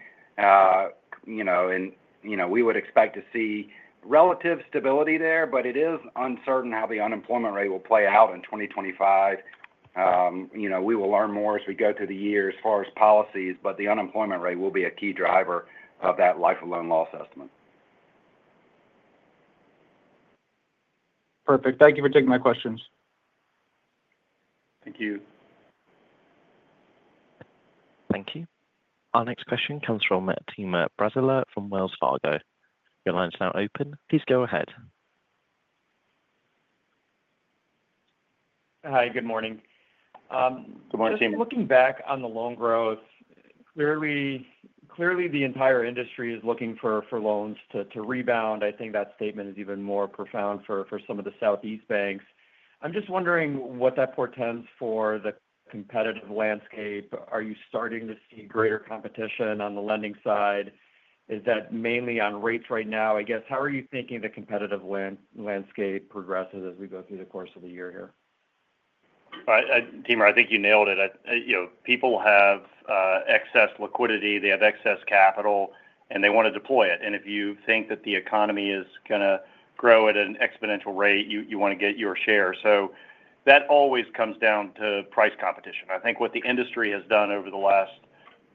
We would expect to see relative stability there, but it is uncertain how the unemployment rate will play out in 2025. We will learn more as we go through the year as far as policies, but the unemployment rate will be a key driver of that loan loss estimate. Perfect. Thank you for taking my questions. Thank you. Thank you. Our next question comes from Timur Braziler from Wells Fargo. Your line is now open. Please go ahead. Hi. Good morning. Good morning, Tim. Just looking back on the loan growth, clearly the entire industry is looking for loans to rebound. I think that statement is even more profound for some of the Southeast banks. I'm just wondering what that portends for the competitive landscape. Are you starting to see greater competition on the lending side? Is that mainly on rates right now? I guess, how are you thinking the competitive landscape progresses as we go through the course of the year here? Tim, I think you nailed it. People have excess liquidity. They have excess capital, and they want to deploy it. And if you think that the economy is going to grow at an exponential rate, you want to get your share. So that always comes down to price competition. I think what the industry has done over the last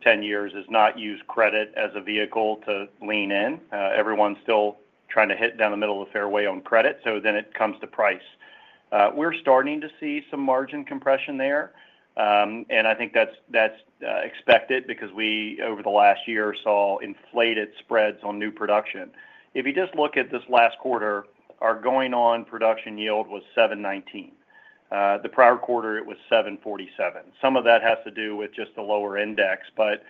10 years is not use credit as a vehicle to lean in. Everyone's still trying to hit down the middle of the fairway on credit. So then it comes to price. We're starting to see some margin compression there. And I think that's expected because we, over the last year, saw inflated spreads on new production. If you just look at this last quarter, our ongoing production yield was 7.19. The prior quarter, it was 7.47. Some of that has to do with just the lower index. But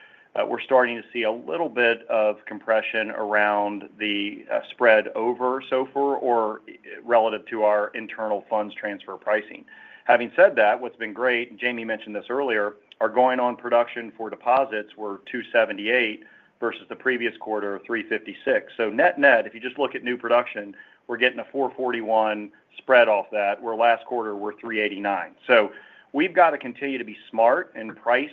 we're starting to see a little bit of compression around the spread over SOFR or relative to our internal funds transfer pricing. Having said that, what's been great, Jamie mentioned this earlier, our ongoing production for deposits were 2.78 versus the previous quarter, 3.56. So net-net, if you just look at new production, we're getting a 4.41 spread off that, where last quarter we're 3.89. So we've got to continue to be smart and price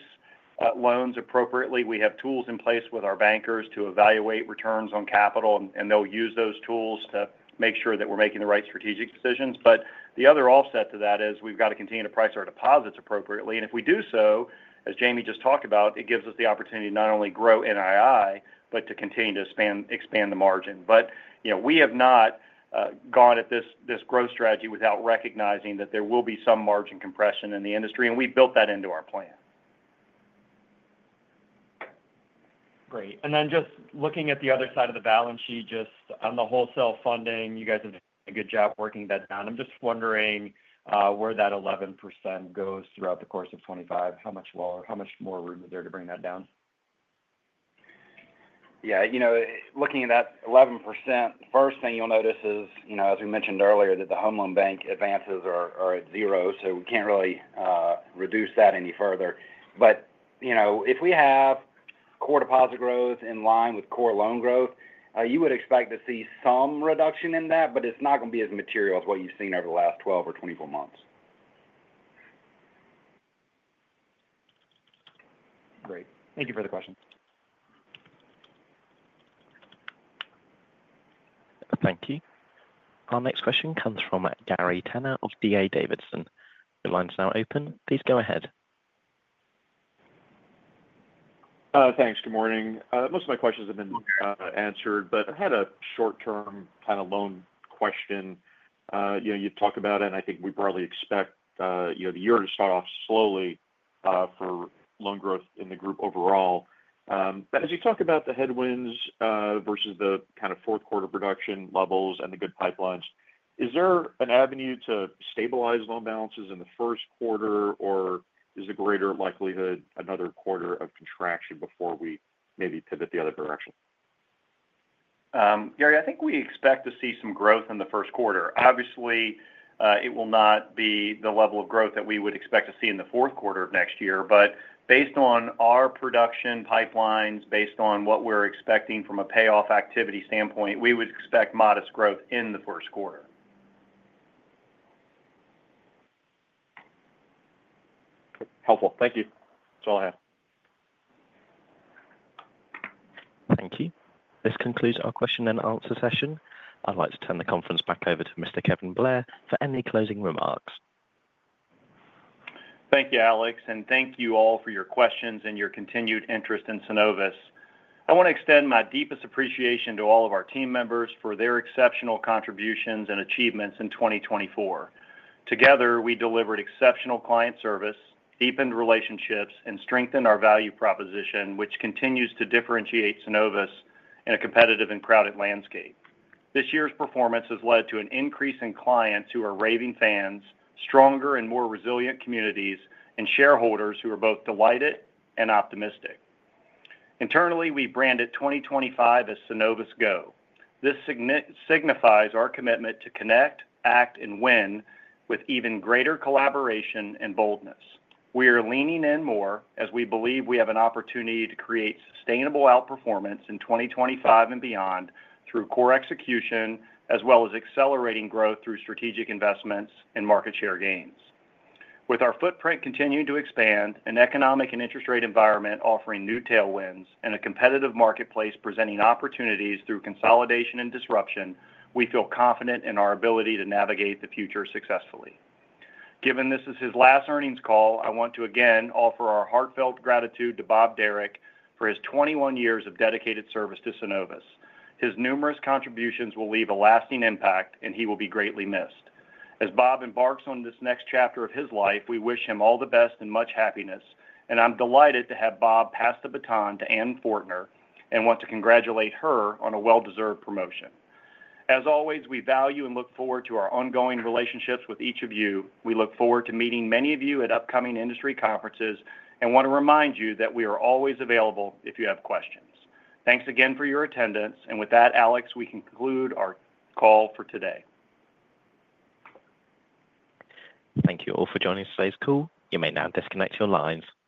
loans appropriately. We have tools in place with our bankers to evaluate returns on capital, and they'll use those tools to make sure that we're making the right strategic decisions. But the other offset to that is we've got to continue to price our deposits appropriately. And if we do so, as Jamie just talked about, it gives us the opportunity to not only grow NII, but to continue to expand the margin. But we have not gone at this growth strategy without recognizing that there will be some margin compression in the industry. And we built that into our plan. Great. And then just looking at the other side of the balance sheet, just on the wholesale funding, you guys have done a good job working that down. I'm just wondering where that 11% goes throughout the course of 2025. How much more room is there to bring that down? Yeah. Looking at that 11%, the first thing you'll notice is, as we mentioned earlier, that the Home Loan Bank advances are at zero. So we can't really reduce that any further. But if we have core deposit growth in line with core loan growth, you would expect to see some reduction in that, but it's not going to be as material as what you've seen over the last 12 or 24 months. Great. Thank you for the question. Thank you. Our next question comes from Gary Tenner of D.A. Davidson. Your line's now open. Please go ahead. Thanks. Good morning. Most of my questions have been answered, but I had a short-term kind of loan question. You talk about it, and I think we broadly expect the year to start off slowly for loan growth in the group overall. But as you talk about the headwinds versus the kind of fourth quarter production levels and the good pipelines, is there an avenue to stabilize loan balances in the first quarter, or is there greater likelihood another quarter of contraction before we maybe pivot the other direction? Gary, I think we expect to see some growth in the first quarter. Obviously, it will not be the level of growth that we would expect to see in the fourth quarter of next year. But based on our production pipelines, based on what we're expecting from a payoff activity standpoint, we would expect modest growth in the first quarter. Helpful. Thank you. That's all I have. Thank you. This concludes our question and answer session. I'd like to turn the conference back over to Mr. Kevin Blair for any closing remarks. Thank you, Alex, and thank you all for your questions and your continued interest in Synovus. I want to extend my deepest appreciation to all of our team members for their exceptional contributions and achievements in 2024. Together, we delivered exceptional client service, deepened relationships, and strengthened our value proposition, which continues to differentiate Synovus in a competitive and crowded landscape. This year's performance has led to an increase in clients who are raving fans, stronger and more resilient communities, and shareholders who are both delighted and optimistic. Internally, we branded 2025 as Synovus Go. This signifies our commitment to connect, act, and win with even greater collaboration and boldness. We are leaning in more as we believe we have an opportunity to create sustainable outperformance in 2025 and beyond through core execution, as well as accelerating growth through strategic investments and market share gains. With our footprint continuing to expand, an economic and interest rate environment offering new tailwinds, and a competitive marketplace presenting opportunities through consolidation and disruption, we feel confident in our ability to navigate the future successfully. Given this is his last earnings call, I want to again offer our heartfelt gratitude to Bob Derrick for his 21 years of dedicated service to Synovus. His numerous contributions will leave a lasting impact, and he will be greatly missed. As Bob embarks on this next chapter of his life, we wish him all the best and much happiness. And I'm delighted to have Bob pass the baton to Anne Fortner and want to congratulate her on a well-deserved promotion. As always, we value and look forward to our ongoing relationships with each of you. We look forward to meeting many of you at upcoming industry conferences and want to remind you that we are always available if you have questions. Thanks again for your attendance. And with that, Alex, we conclude our call for today. Thank you all for joining us today, Scott. You may now disconnect your lines.